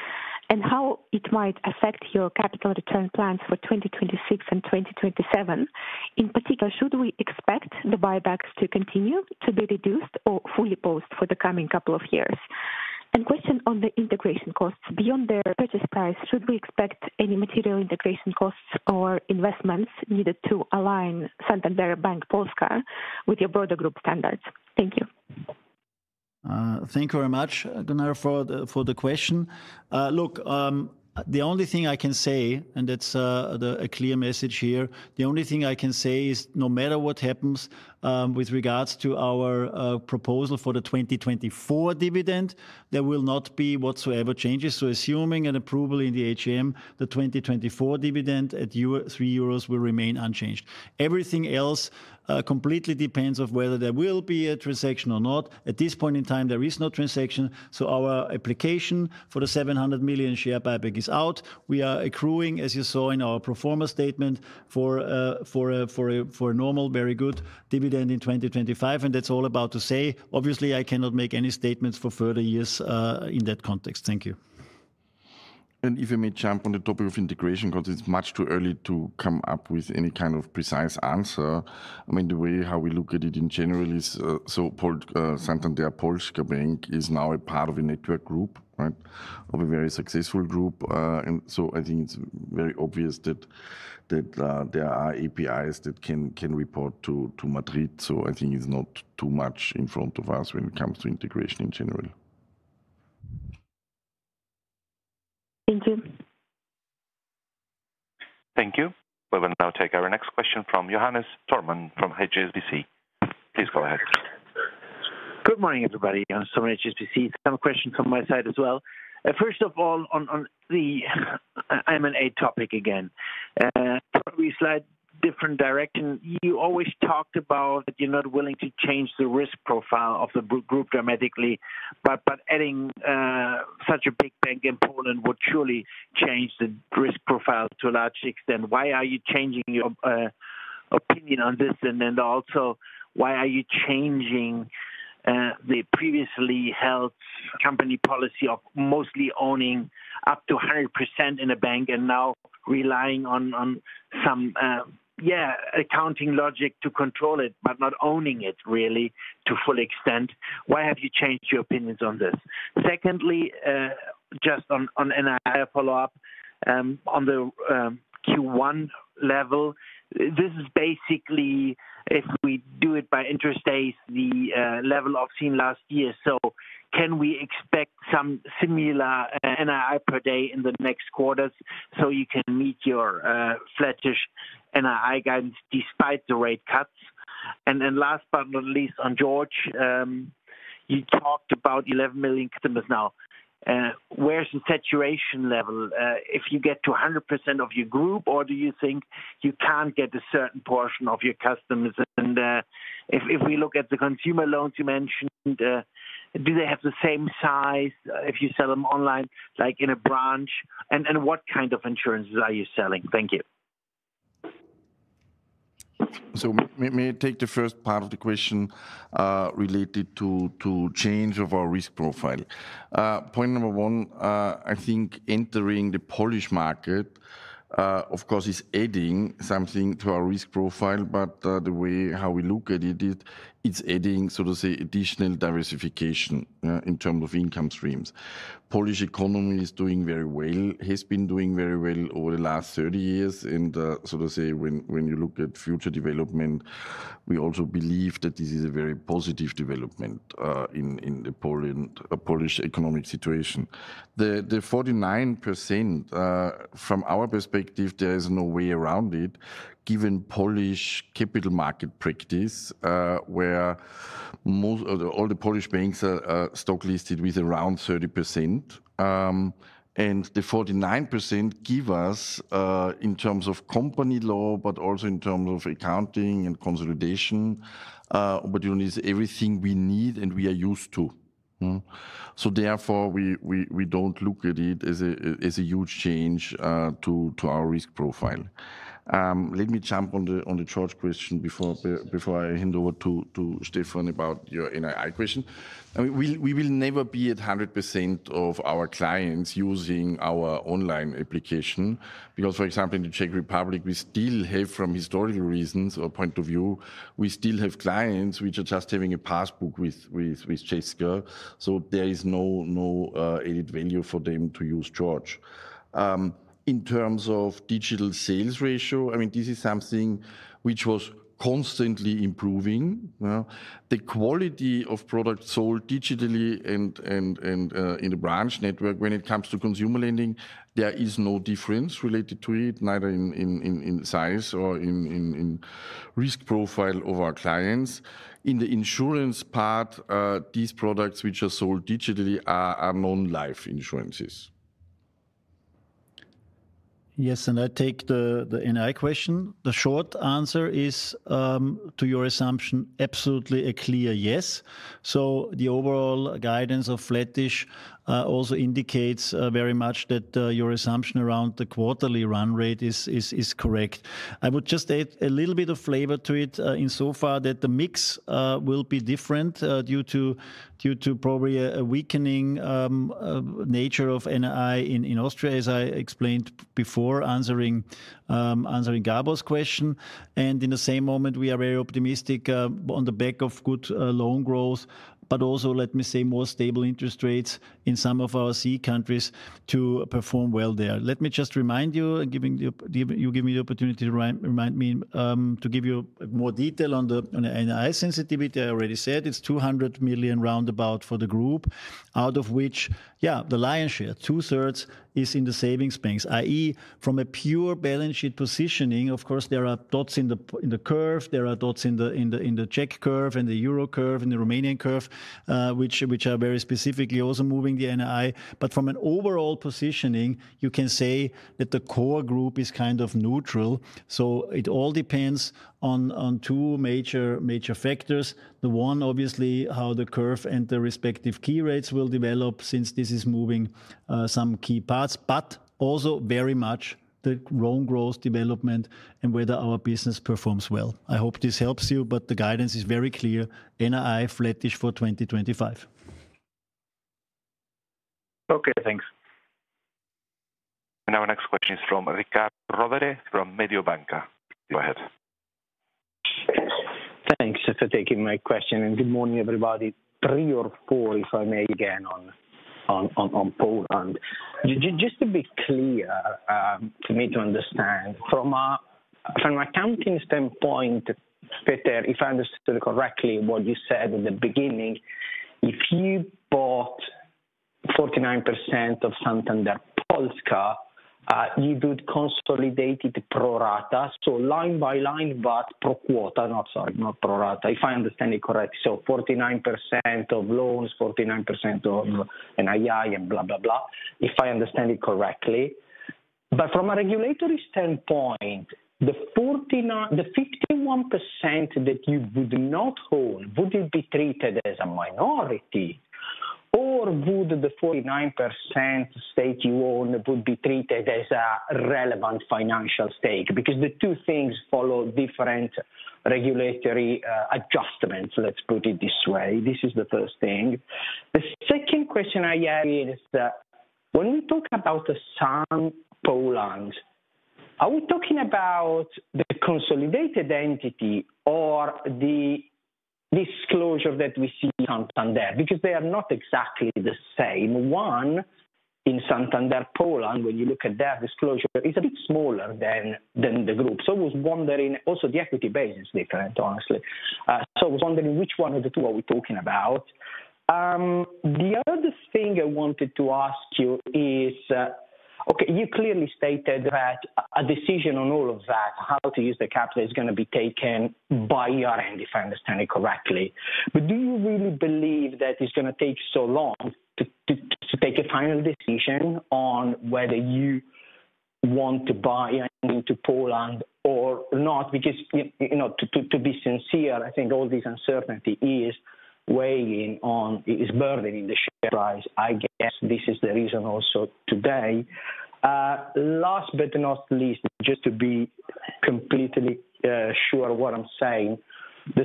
and how it might affect your capital return plans for 2026 and 2027? In particular, should we expect the buybacks to continue to be reduced or fully post for the coming couple of years? A question on the integration costs. Beyond the purchase price, should we expect any material integration costs or investments needed to align Santander Bank Polska with your broader group standards? Thank you. Thank you very much, Gunnar, for the question. Look, the only thing I can say, and that is a clear message here, the only thing I can say is no matter what happens with regards to our proposal for the 2024 dividend, there will not be whatsoever changes. Assuming an approval in the HEM, the 2024 dividend at 3 euros will remain unchanged. Everything else completely depends on whether there will be a transaction or not. At this point in time, there is no transaction. Our application for the 700 million share buyback is out. We are accruing, as you saw in our performance statement, for a normal, very good dividend in 2025. That is all about to say. Obviously, I cannot make any statements for further years in that context. Thank you. If I may jump on the topic of integration, because it is much too early to come up with any kind of precise answer. I mean, the way how we look at it in general is Santander Bank Polska is now a part of a network group, right? Of a very successful group. I think it is very obvious that there are APIs that can report to Madrid. I think it's not too much in front of us when it comes to integration in general. Thank you. Thank you. We will now take our next question from Johannes Thormann from HSBC. Please go ahead. Good morning, everybody. I'm sorry, HSBC. Some questions on my side as well. First of all, on the M&A topic again, probably slight different direction. You always talked about that you're not willing to change the risk profile of the group dramatically, but adding such a big bank in Poland would surely change the risk profile to a large extent. Why are you changing your opinion on this? And then also, why are you changing the previously held company policy of mostly owning up to 100% in a bank and now relying on some, yeah, accounting logic to control it, but not owning it really to full extent? Why have you changed your opinions on this? Secondly, just on an I follow-up on the Q1 level, this is basically, if we do it by interest days, the level of seen last year. Can we expect some similar NII per day in the next quarters so you can meet your flattish NII guidance despite the rate cuts? Last but not least, on George, you talked about 11 million customers now. Where's the saturation level? If you get to 100% of your group, or do you think you can't get a certain portion of your customers? If we look at the consumer loans you mentioned, do they have the same size if you sell them online like in a branch? What kind of insurances are you selling? Thank you. May I take the first part of the question related to change of our risk profile? Point number one, I think entering the Polish market, of course, is adding something to our risk profile, but the way how we look at it, it's adding, so to say, additional diversification in terms of income streams. Polish economy is doing very well, has been doing very well over the last 30 years. When you look at future development, we also believe that this is a very positive development in the Polish economic situation. The 49%, from our perspective, there is no way around it, given Polish capital market practice, where all the Polish banks are stock listed with around 30%. The 49% give us, in terms of company law, but also in terms of accounting and consolidation opportunities, everything we need and we are used to. Therefore, we don't look at it as a huge change to our risk profile. Let me jump on the George question before I hand over to Stefan about your NII question. We will never be at 100% of our clients using our online application because, for example, in the Czech Republic, we still have, from historical reasons or point of view, we still have clients which are just having a passbook with Cesca. There is no added value for them to use George. In terms of digital sales ratio, I mean, this is something which was constantly improving. The quality of products sold digitally and in the branch network, when it comes to consumer lending, there is no difference related to it, neither in size or in risk profile of our clients. In the insurance part, these products which are sold digitally are non-life insurances. Yes, I take the NII question. The short answer is, to your assumption, absolutely a clear yes. The overall guidance of flattish also indicates very much that your assumption around the quarterly run rate is correct. I would just add a little bit of flavor to it in so far that the mix will be different due to probably a weakening nature of NII in Austria, as I explained before answering Gabor's question. In the same moment, we are very optimistic on the back of good loan growth, but also, let me say, more stable interest rates in some of our C countries to perform well there. Let me just remind you, giving you the opportunity to remind me to give you more detail on the NII sensitivity. I already said it's 200 million roundabout for the group, out of which, yeah, the lion's share, two-thirds is in the savings banks, i.e., from a pure balance sheet positioning, of course, there are dots in the curve, there are dots in the Czech curve and the Euro curve and the Romanian curve, which are very specifically also moving the NII. From an overall positioning, you can say that the core group is kind of neutral. It all depends on two major factors. The one, obviously, how the curve and the respective key rates will develop since this is moving some key parts, but also very much the loan growth development and whether our business performs well. I hope this helps you, but the guidance is very clear. NII flattish for 2025. Okay, thanks. Our next question is from Riccardo Rovere from Mediobanca. Go ahead. Thanks for taking my question. Good morning, everybody. Three or four, if I may, again on Poland. Just to be clear for me to understand, from an accounting standpoint, Peter, if I understood correctly what you said in the beginning, if you bought 49% of Santander Bank Polska, you would consolidate it pro rata, so line by line, but pro quota, not pro rata, if I understand it correctly. 49% of loans, 49% of NII and blah, blah, blah, if I understand it correctly. From a regulatory standpoint, the 51% that you would not hold, would it be treated as a minority? Would the 49% stake you own be treated as a relevant financial stake? The two things follow different regulatory adjustments, let's put it this way. This is the first thing. The second question I have is, when we talk about the Sun Poland, are we talking about the consolidated entity or the disclosure that we see in Santander? Because they are not exactly the same. One, in Santander Poland, when you look at their disclosure, it is a bit smaller than the group. I was wondering, also the equity base is different, honestly. I was wondering which one of the two are we talking about? The other thing I wanted to ask you is, you clearly stated that a decision on all of that, how to use the capital, is going to be taken by year end, if I understand it correctly. Do you really believe that it is going to take so long to take a final decision on whether you want to buy into Poland or not? Because to be sincere, I think all this uncertainty is weighing on, is burdening the share price. I guess this is the reason also today. Last but not least, just to be completely sure of what I'm saying, the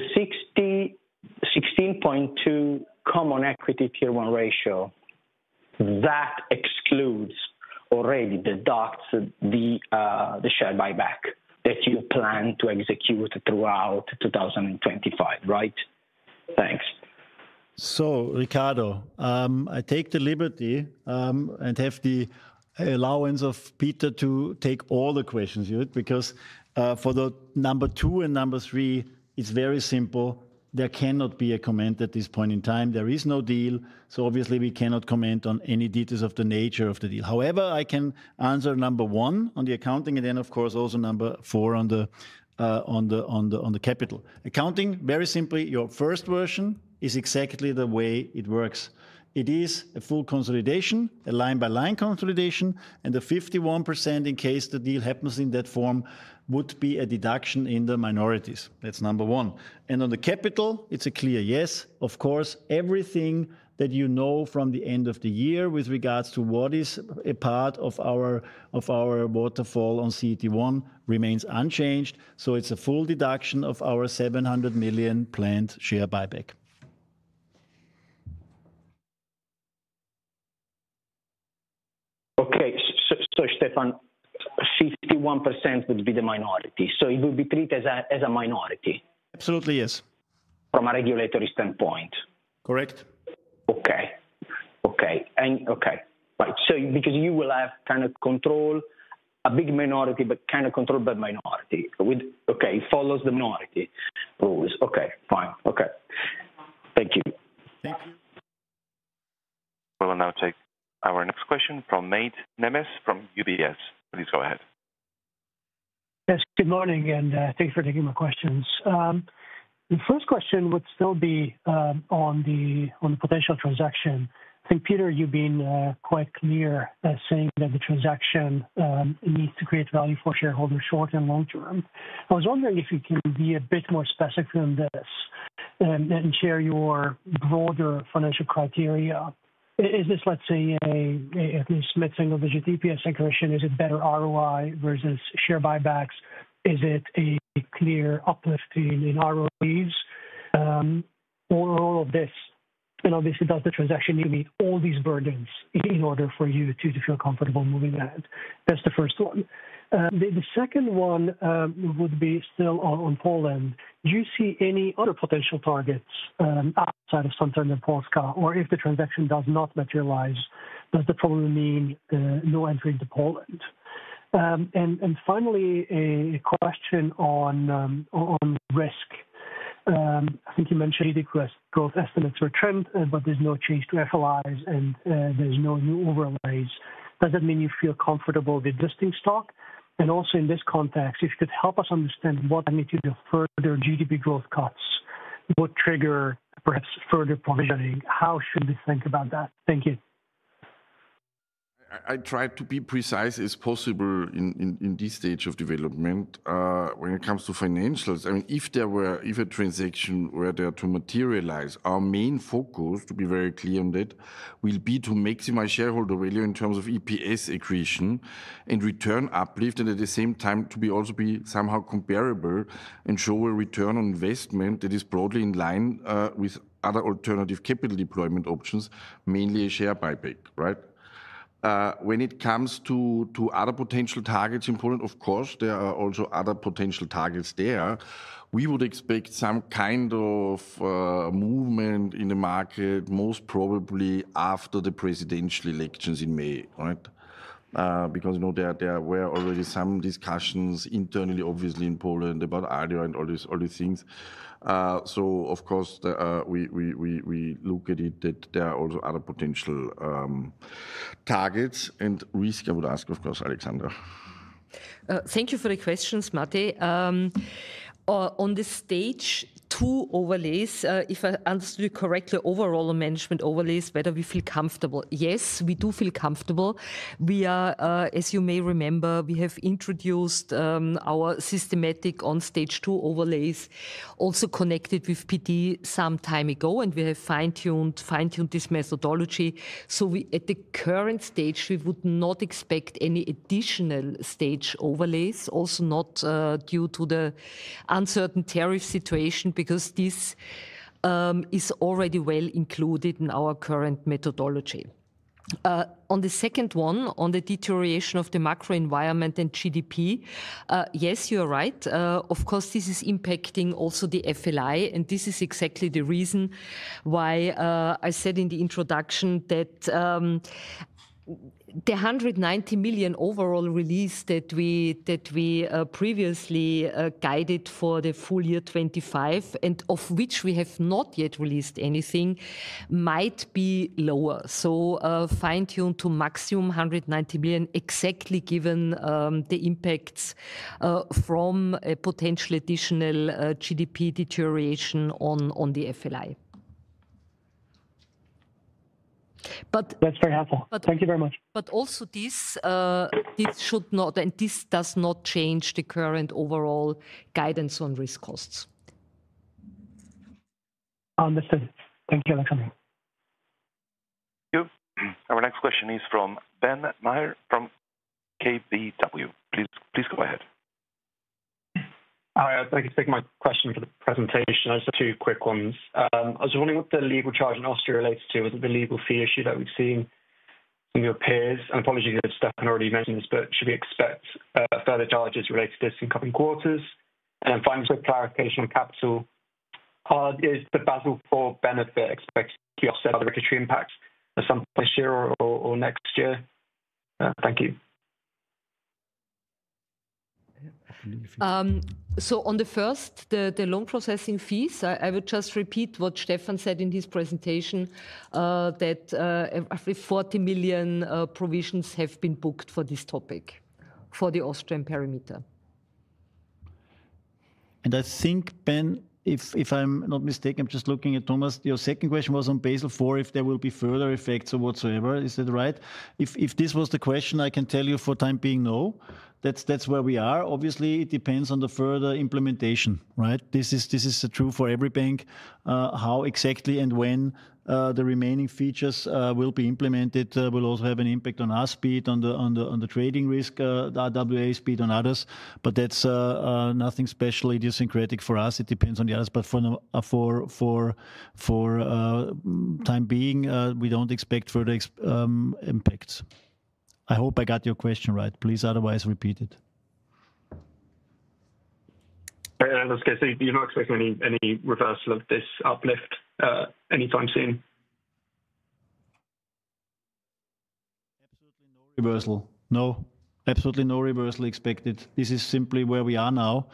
16.2% common equity tier one ratio, that excludes already the docs, the share buyback that you plan to execute throughout 2025, right? Thanks. Ricardo, I take the liberty and have the allowance of Peter to take all the questions, because for number two and number three, it is very simple. There cannot be a comment at this point in time. There is no deal. Obviously, we cannot comment on any details of the nature of the deal. However, I can answer number one on the accounting and then, of course, also number four on the capital. Accounting, very simply, your first version is exactly the way it works. It is a full consolidation, a line-by-line consolidation, and the 51% in case the deal happens in that form would be a deduction in the minorities. That's number one. On the capital, it's a clear yes. Of course, everything that you know from the end of the year with regards to what is a part of our waterfall on CET1 remains unchanged. It is a full deduction of our 700 million planned share buyback. Okay, so Stefan, 51% would be the minority. It would be treated as a minority? Absolutely, yes. From a regulatory standpoint? Correct. Okay. Right. You will have kind of control, a big minority, but kind of controlled by minority. It follows the minority rules. Okay, fine. Thank you. Thank you. We will now take our next question from Mate Nemes from UBS. Please go ahead. Yes, good morning and thanks for taking my questions. The first question would still be on the potential transaction. I think, Peter, you've been quite clear saying that the transaction needs to create value for shareholders short and long term. I was wondering if you can be a bit more specific on this and share your broader financial criteria. Is this, let's say, at least mid-single digit EPS increase? Is it better ROI versus share buybacks? Is it a clear uplift in ROEs? All of this. Obviously, does the transaction need to meet all these burdens in order for you to feel comfortable moving ahead? That's the first one. The second one would be still on Poland. Do you see any other potential targets outside of Santander Bank Polska? If the transaction does not materialize, does that probably mean no entry into Poland? Finally, a question on risk. I think you mentioned growth estimates were trimmed, but there's no change to FLIs and there's no new overlays. Does that mean you feel comfortable with listing stock? Also in this context, if you could help us understand what magnitude of further GDP growth cuts would trigger perhaps further pondering? How should we think about that? Thank you. I try to be precise as possible in this stage of development. When it comes to financials, I mean, if there were a transaction where there to materialize, our main focus, to be very clear on that, will be to maximize shareholder value in terms of EPS equation and return uplift, and at the same time, to also be somehow comparable and show a return on investment that is broadly in line with other alternative capital deployment options, mainly a share buyback, right? When it comes to other potential targets in Poland, of course, there are also other potential targets there. We would expect some kind of movement in the market, most probably after the presidential elections in May, right? Because there were already some discussions internally, obviously, in Poland about ADIO and all these things. Of course, we look at it that there are also other potential targets and risk. I would ask, of course, Alexandra. Thank you for the questions, Mate. On the stage, two overlays. If I understood you correctly, overall management overlays, whether we feel comfortable. Yes, we do feel comfortable. As you may remember, we have introduced our systematic on-stage two overlays, also connected with [PD] some time ago, and we have fine-tuned this methodology. At the current stage, we would not expect any additional stage overlays, also not due to the uncertain tariff situation, because this is already well included in our current methodology. On the second one, on the deterioration of the macro environment and GDP, yes, you are right. Of course, this is impacting also the FLI, and this is exactly the reason why I said in the introduction that the 190 million overall release that we previously guided for the full year 2025, and of which we have not yet released anything, might be lower. Fine-tune to maximum 190 million, exactly given the impacts from a potential additional GDP deterioration on the FLI. That is very helpful. Thank you very much. Also, this should not, and this does not change the current overall guidance on risk costs. Understood. Thank you, Alexandra. Thank you. Our next question is from Ben Meyer from KBW. Please go ahead. Hi, I'd like to take my question for the presentation. I just have two quick ones. I was wondering what the legal charge in Austria relates to. Was it the legal fee issue that we've seen from your peers? Apologies if Stefan already mentioned this, but should we expect further charges related to this in coming quarters? Finally, a quick clarification on capital. Is the Basel IV benefit expected to be offset by the regulatory impact at some point this year or next year? Thank you. On the first, the loan processing fees, I would just repeat what Stefan said in his presentation, that roughly 40 million provisions have been booked for this topic, for the Austrian perimeter. I think, Ben, if I'm not mistaken, I'm just looking at Thomas, your second question was on Basel IV, if there will be further effects or whatsoever. Is that right? If this was the question, I can tell you for the time being, no. That's where we are. Obviously, it depends on the further implementation, right? This is true for every bank. How exactly and when the remaining features will be implemented will also have an impact on our speed, on the trading risk, the RWA speed on others. That's nothing special idiosyncratic for us. It depends on the others. For the time being, we don't expect further impacts. I hope I got your question right. Please otherwise repeat it. I was going to say, do you not expect any reversal of this uplift anytime soon? Absolutely no reversal. No. Absolutely no reversal expected. This is simply where we are now.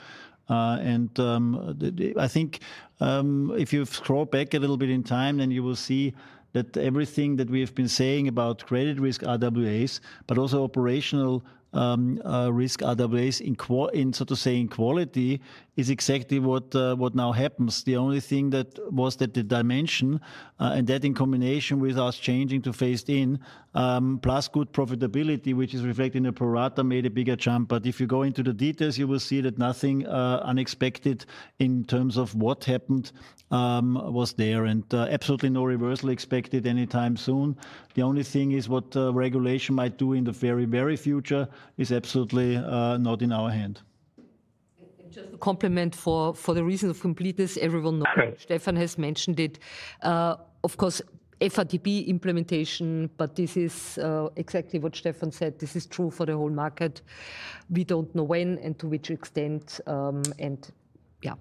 I think if you scroll back a little bit in time, you will see that everything that we have been saying about credit risk RWAs, but also operational risk RWAs, so to say, in quality is exactly what now happens. The only thing that was that the dimension, and that in combination with us changing to phased in, plus good profitability, which is reflected in the pro rata, made a bigger jump. If you go into the details, you will see that nothing unexpected in terms of what happened was there. Absolutely no reversal expected anytime soon. The only thing is what regulation might do in the very, very future is absolutely not in our hand. Just a compliment for the reason of completeness, everyone. Stefan has mentioned it. Of course, FRTB implementation, but this is exactly what Stefan said. This is true for the whole market. We do not know when and to which extent. Yeah.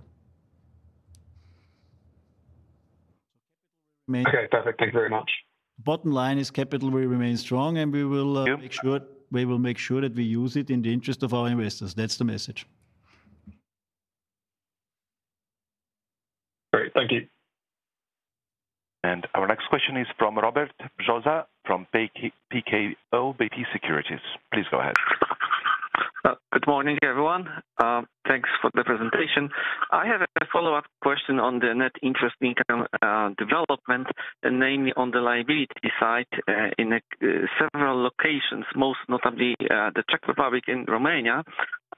Okay, perfect. Thank you very much. Bottom line is capital will remain strong and we will make sure that we use it in the interest of our investors. That is the message. Great. Thank you. Our next question is from Robert Brzoza from PKO Securities. Please go ahead. Good morning, everyone. Thanks for the presentation. I have a follow-up question on the net interest income development, and namely on the liability side in several locations, most notably the Czech Republic and Romania.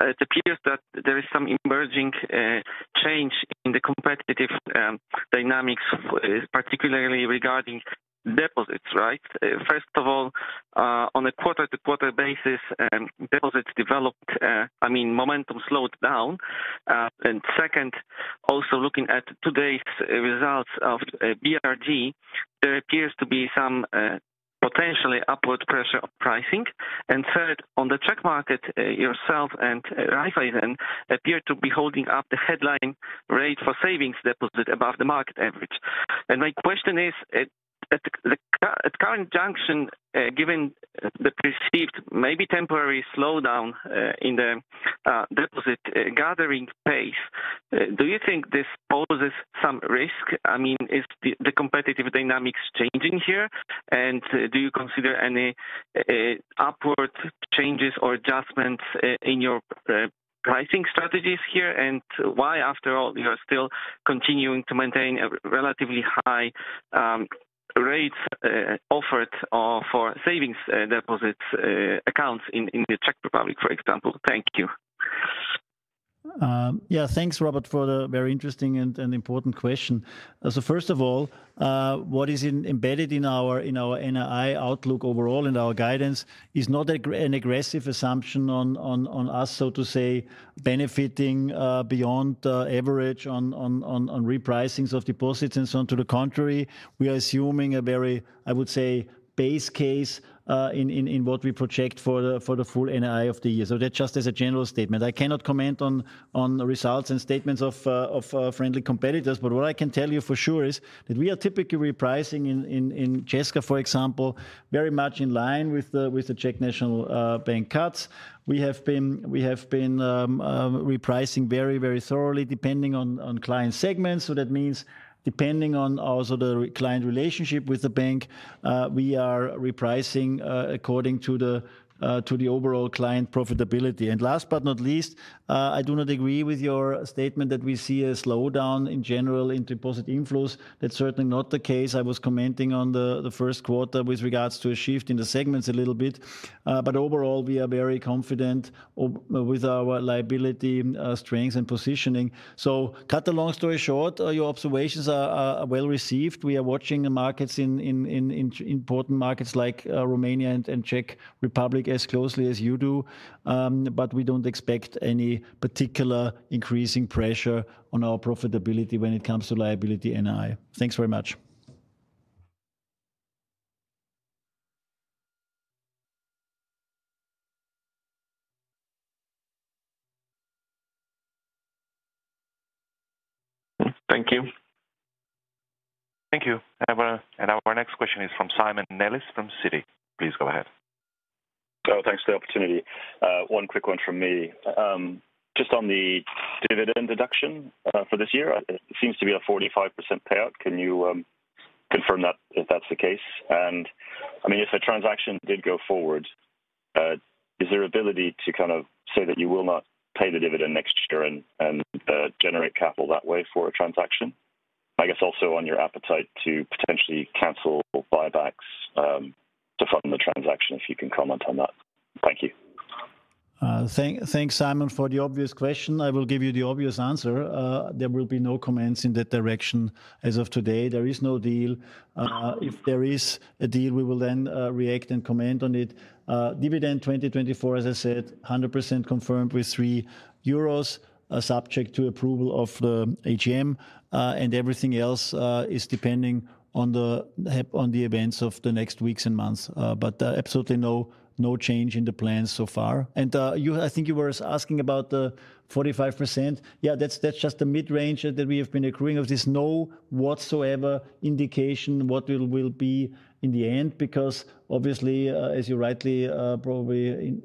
It appears that there is some emerging change in the competitive dynamics, particularly regarding deposits, right? First of all, on a quarter-to-quarter basis, deposits developed, I mean, momentum slowed down. Second, also looking at today's results of BRG, there appears to be some potentially upward pressure on pricing. Third, on the Czech market, yourself and Raiffeisen appear to be holding up the headline rate for savings deposit above the market average. My question is, at the current junction, given the perceived maybe temporary slowdown in the deposit gathering pace, do you think this poses some risk? I mean, is the competitive dynamics changing here? Do you consider any upward changes or adjustments in your pricing strategies here? Why, after all, are you still continuing to maintain a relatively high rate offered for savings deposits accounts in the Czech Republic, for example? Thank you. Yeah, thanks, Robert, for the very interesting and important question. First of all, what is embedded in our NII outlook overall and our guidance is not an aggressive assumption on us, so to say, benefiting beyond average on repricings of deposits and so on. To the contrary, we are assuming a very, I would say, base case in what we project for the full NII of the year. That is just as a general statement. I cannot comment on results and statements of friendly competitors, but what I can tell you for sure is that we are typically repricing in Ceska, for example, very much in line with the Czech National Bank cuts. We have been repricing very, very thoroughly depending on client segments. That means depending on also the client relationship with the bank, we are repricing according to the overall client profitability. Last but not least, I do not agree with your statement that we see a slowdown in general in deposit inflows. That is certainly not the case. I was commenting on the first quarter with regards to a shift in the segments a little bit. Overall, we are very confident with our liability strength and positioning. To cut a long story short, your observations are well received. We are watching the markets in important markets like Romania and Czech Republic as closely as you do. We do not expect any particular increasing pressure on our profitability when it comes to liability NII. Thanks very much. Thank you. Thank you. Our next question is from Simon Nellis from Citi. Please go ahead. Thanks for the opportunity. One quick one from me. Just on the dividend deduction for this year, it seems to be a 45% payout. Can you confirm that if that's the case? I mean, if a transaction did go forward, is there ability to kind of say that you will not pay the dividend next year and generate capital that way for a transaction? I guess also on your appetite to potentially cancel buybacks to fund the transaction, if you can comment on that. Thank you. Thanks, Simon, for the obvious question. I will give you the obvious answer. There will be no comments in that direction as of today. There is no deal. If there is a deal, we will then react and comment on it. Dividend 2024, as I said, 100% confirmed with 3 euros, subject to approval of the AGM. Everything else is depending on the events of the next weeks and months. Absolutely no change in the plan so far. I think you were asking about the 45%. Yeah, that's just the mid-range that we have been accruing of this. No whatsoever indication what will be in the end, because obviously, as you rightly probably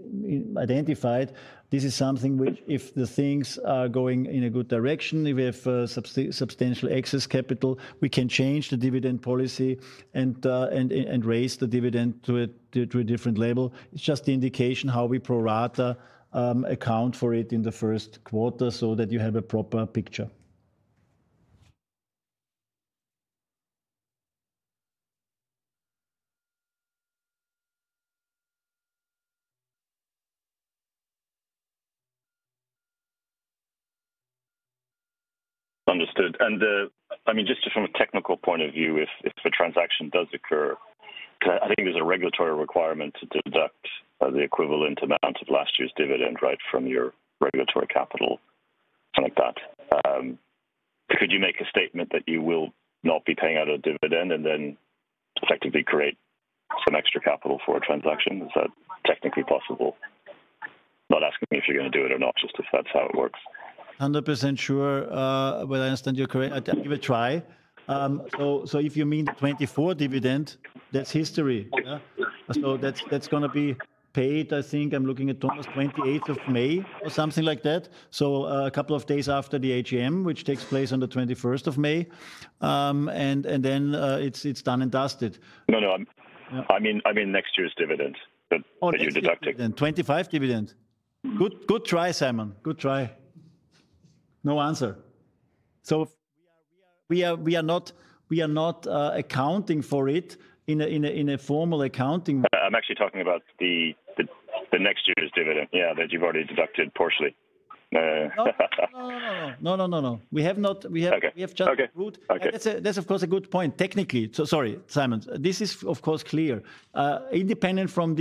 identified, this is something which, if the things are going in a good direction, if we have substantial excess capital, we can change the dividend policy and raise the dividend to a different level. It's just the indication how we pro rata account for it in the first quarter so that you have a proper picture. Understood. I mean, just from a technical point of view, if a transaction does occur, I think there's a regulatory requirement to deduct the equivalent amount of last year's dividend, right, from your regulatory capital, something like that. Could you make a statement that you will not be paying out a dividend and then effectively create some extra capital for a transaction? Is that technically possible? Not asking me if you're going to do it or not, just if that's how it works. Not 100% sure whether I understand you correctly. I'll give it a try. If you mean 2024 dividend, that's history. That's going to be paid, I think I'm looking at almost 28th of May or something like that. A couple of days after the AGM, which takes place on the 21st of May. Then it's done and dusted. No, no. I mean, next year's dividend that you're deducting. 2025 dividend. Good try, Simon. Good try. No answer. We are not accounting for it in a formal accounting. I'm actually talking about the next year's dividend, yeah, that you've already deducted partially. No, no, no, no. We have just approved. That's, of course, a good point technically. Sorry, Simon. This is, of course, clear. Independent from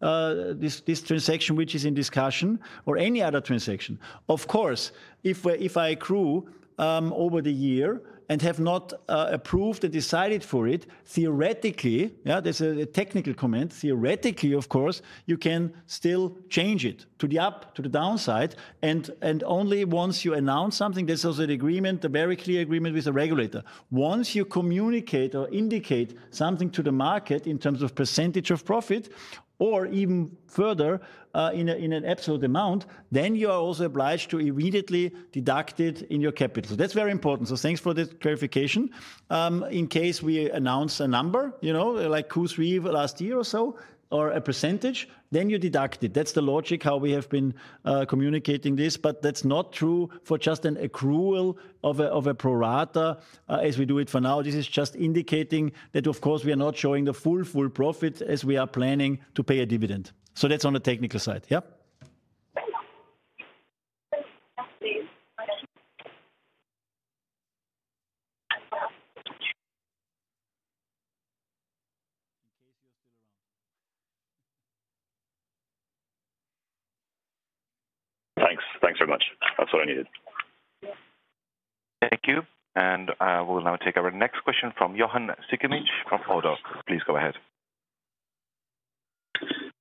this transaction, which is in discussion, or any other transaction, of course, if I accrue over the year and have not approved and decided for it, theoretically, yeah, there's a technical comment, theoretically, of course, you can still change it to the up, to the downside. Only once you announce something, there's also an agreement, a very clear agreement with the regulator. Once you communicate or indicate something to the market in terms of percentage of profit, or even further in an absolute amount, then you are also obliged to immediately deduct it in your capital. That's very important. Thanks for this clarification. In case we announce a number, you know, like Q3 last year or so, or a percentage, then you deduct it. That's the logic how we have been communicating this. That's not true for just an accrual of a pro rata as we do it for now. This is just indicating that, of course, we are not showing the full, full profit as we are planning to pay a dividend. That's on the technical side, yeah? Thanks. Thanks very much. That's all I needed. Thank you. We will now take our next question from Jovan Sikimic from Odo. Please go ahead.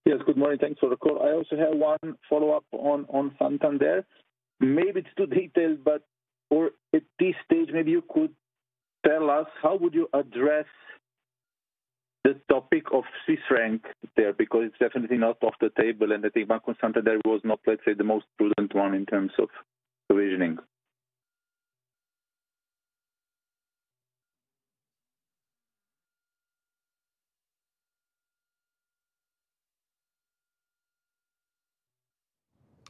Yes, good morning. Thanks for the call. I also have one follow-up on Santander. Maybe it's too detailed, but at this stage, maybe you could tell us how would you address the topic of Swiss franc there? Because it's definitely not off the table. I think Banco Santander was not, let's say, the most prudent one in terms of provisioning.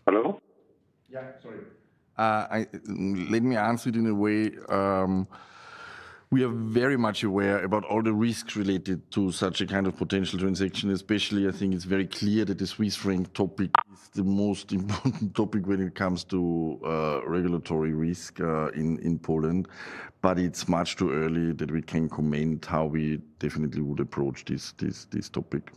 Hello? Yeah, sorry. Let me answer it in a way. We are very much aware about all the risks related to such a kind of potential transaction. Especially, I think it is very clear that the Swiss franc topic is the most important topic when it comes to regulatory risk in Poland. It is much too early that we can comment how we definitely would approach this topic.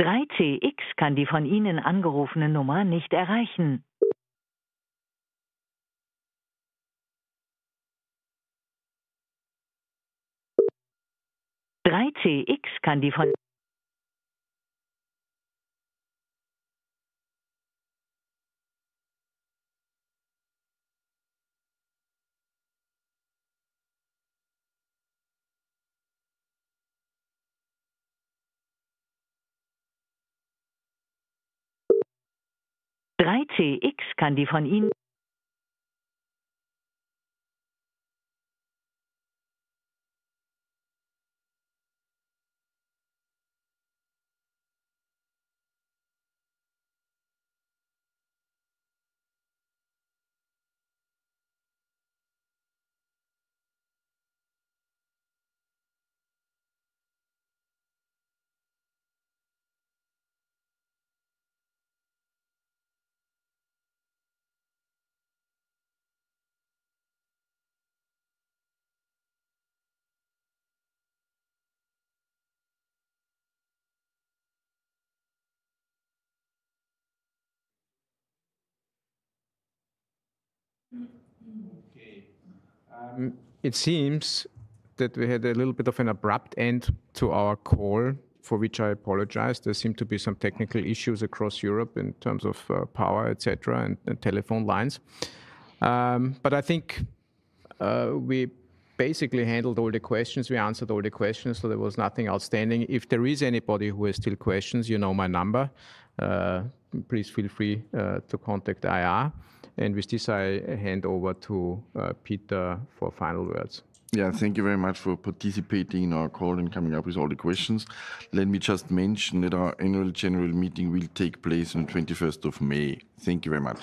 3CX kann die von Ihnen angerufene Nummer nicht erreichen. 3CX kann die von. 3CX kann die von Ihnen. Okay. It seems that we had a little bit of an abrupt end to our call, for which I apologize. There seemed to be some technical issues across Europe in terms of power, etc., and telephone lines. I think we basically handled all the questions. We answered all the questions, so there was nothing outstanding. If there is anybody who has still questions, you know my number. Please feel free to contact IR. With this, I hand over to Peter for final words. Yeah, thank you very much for participating in our call and coming up with all the questions. Let me just mention that our annual general meeting will take place on the 21st of May. Thank you very much.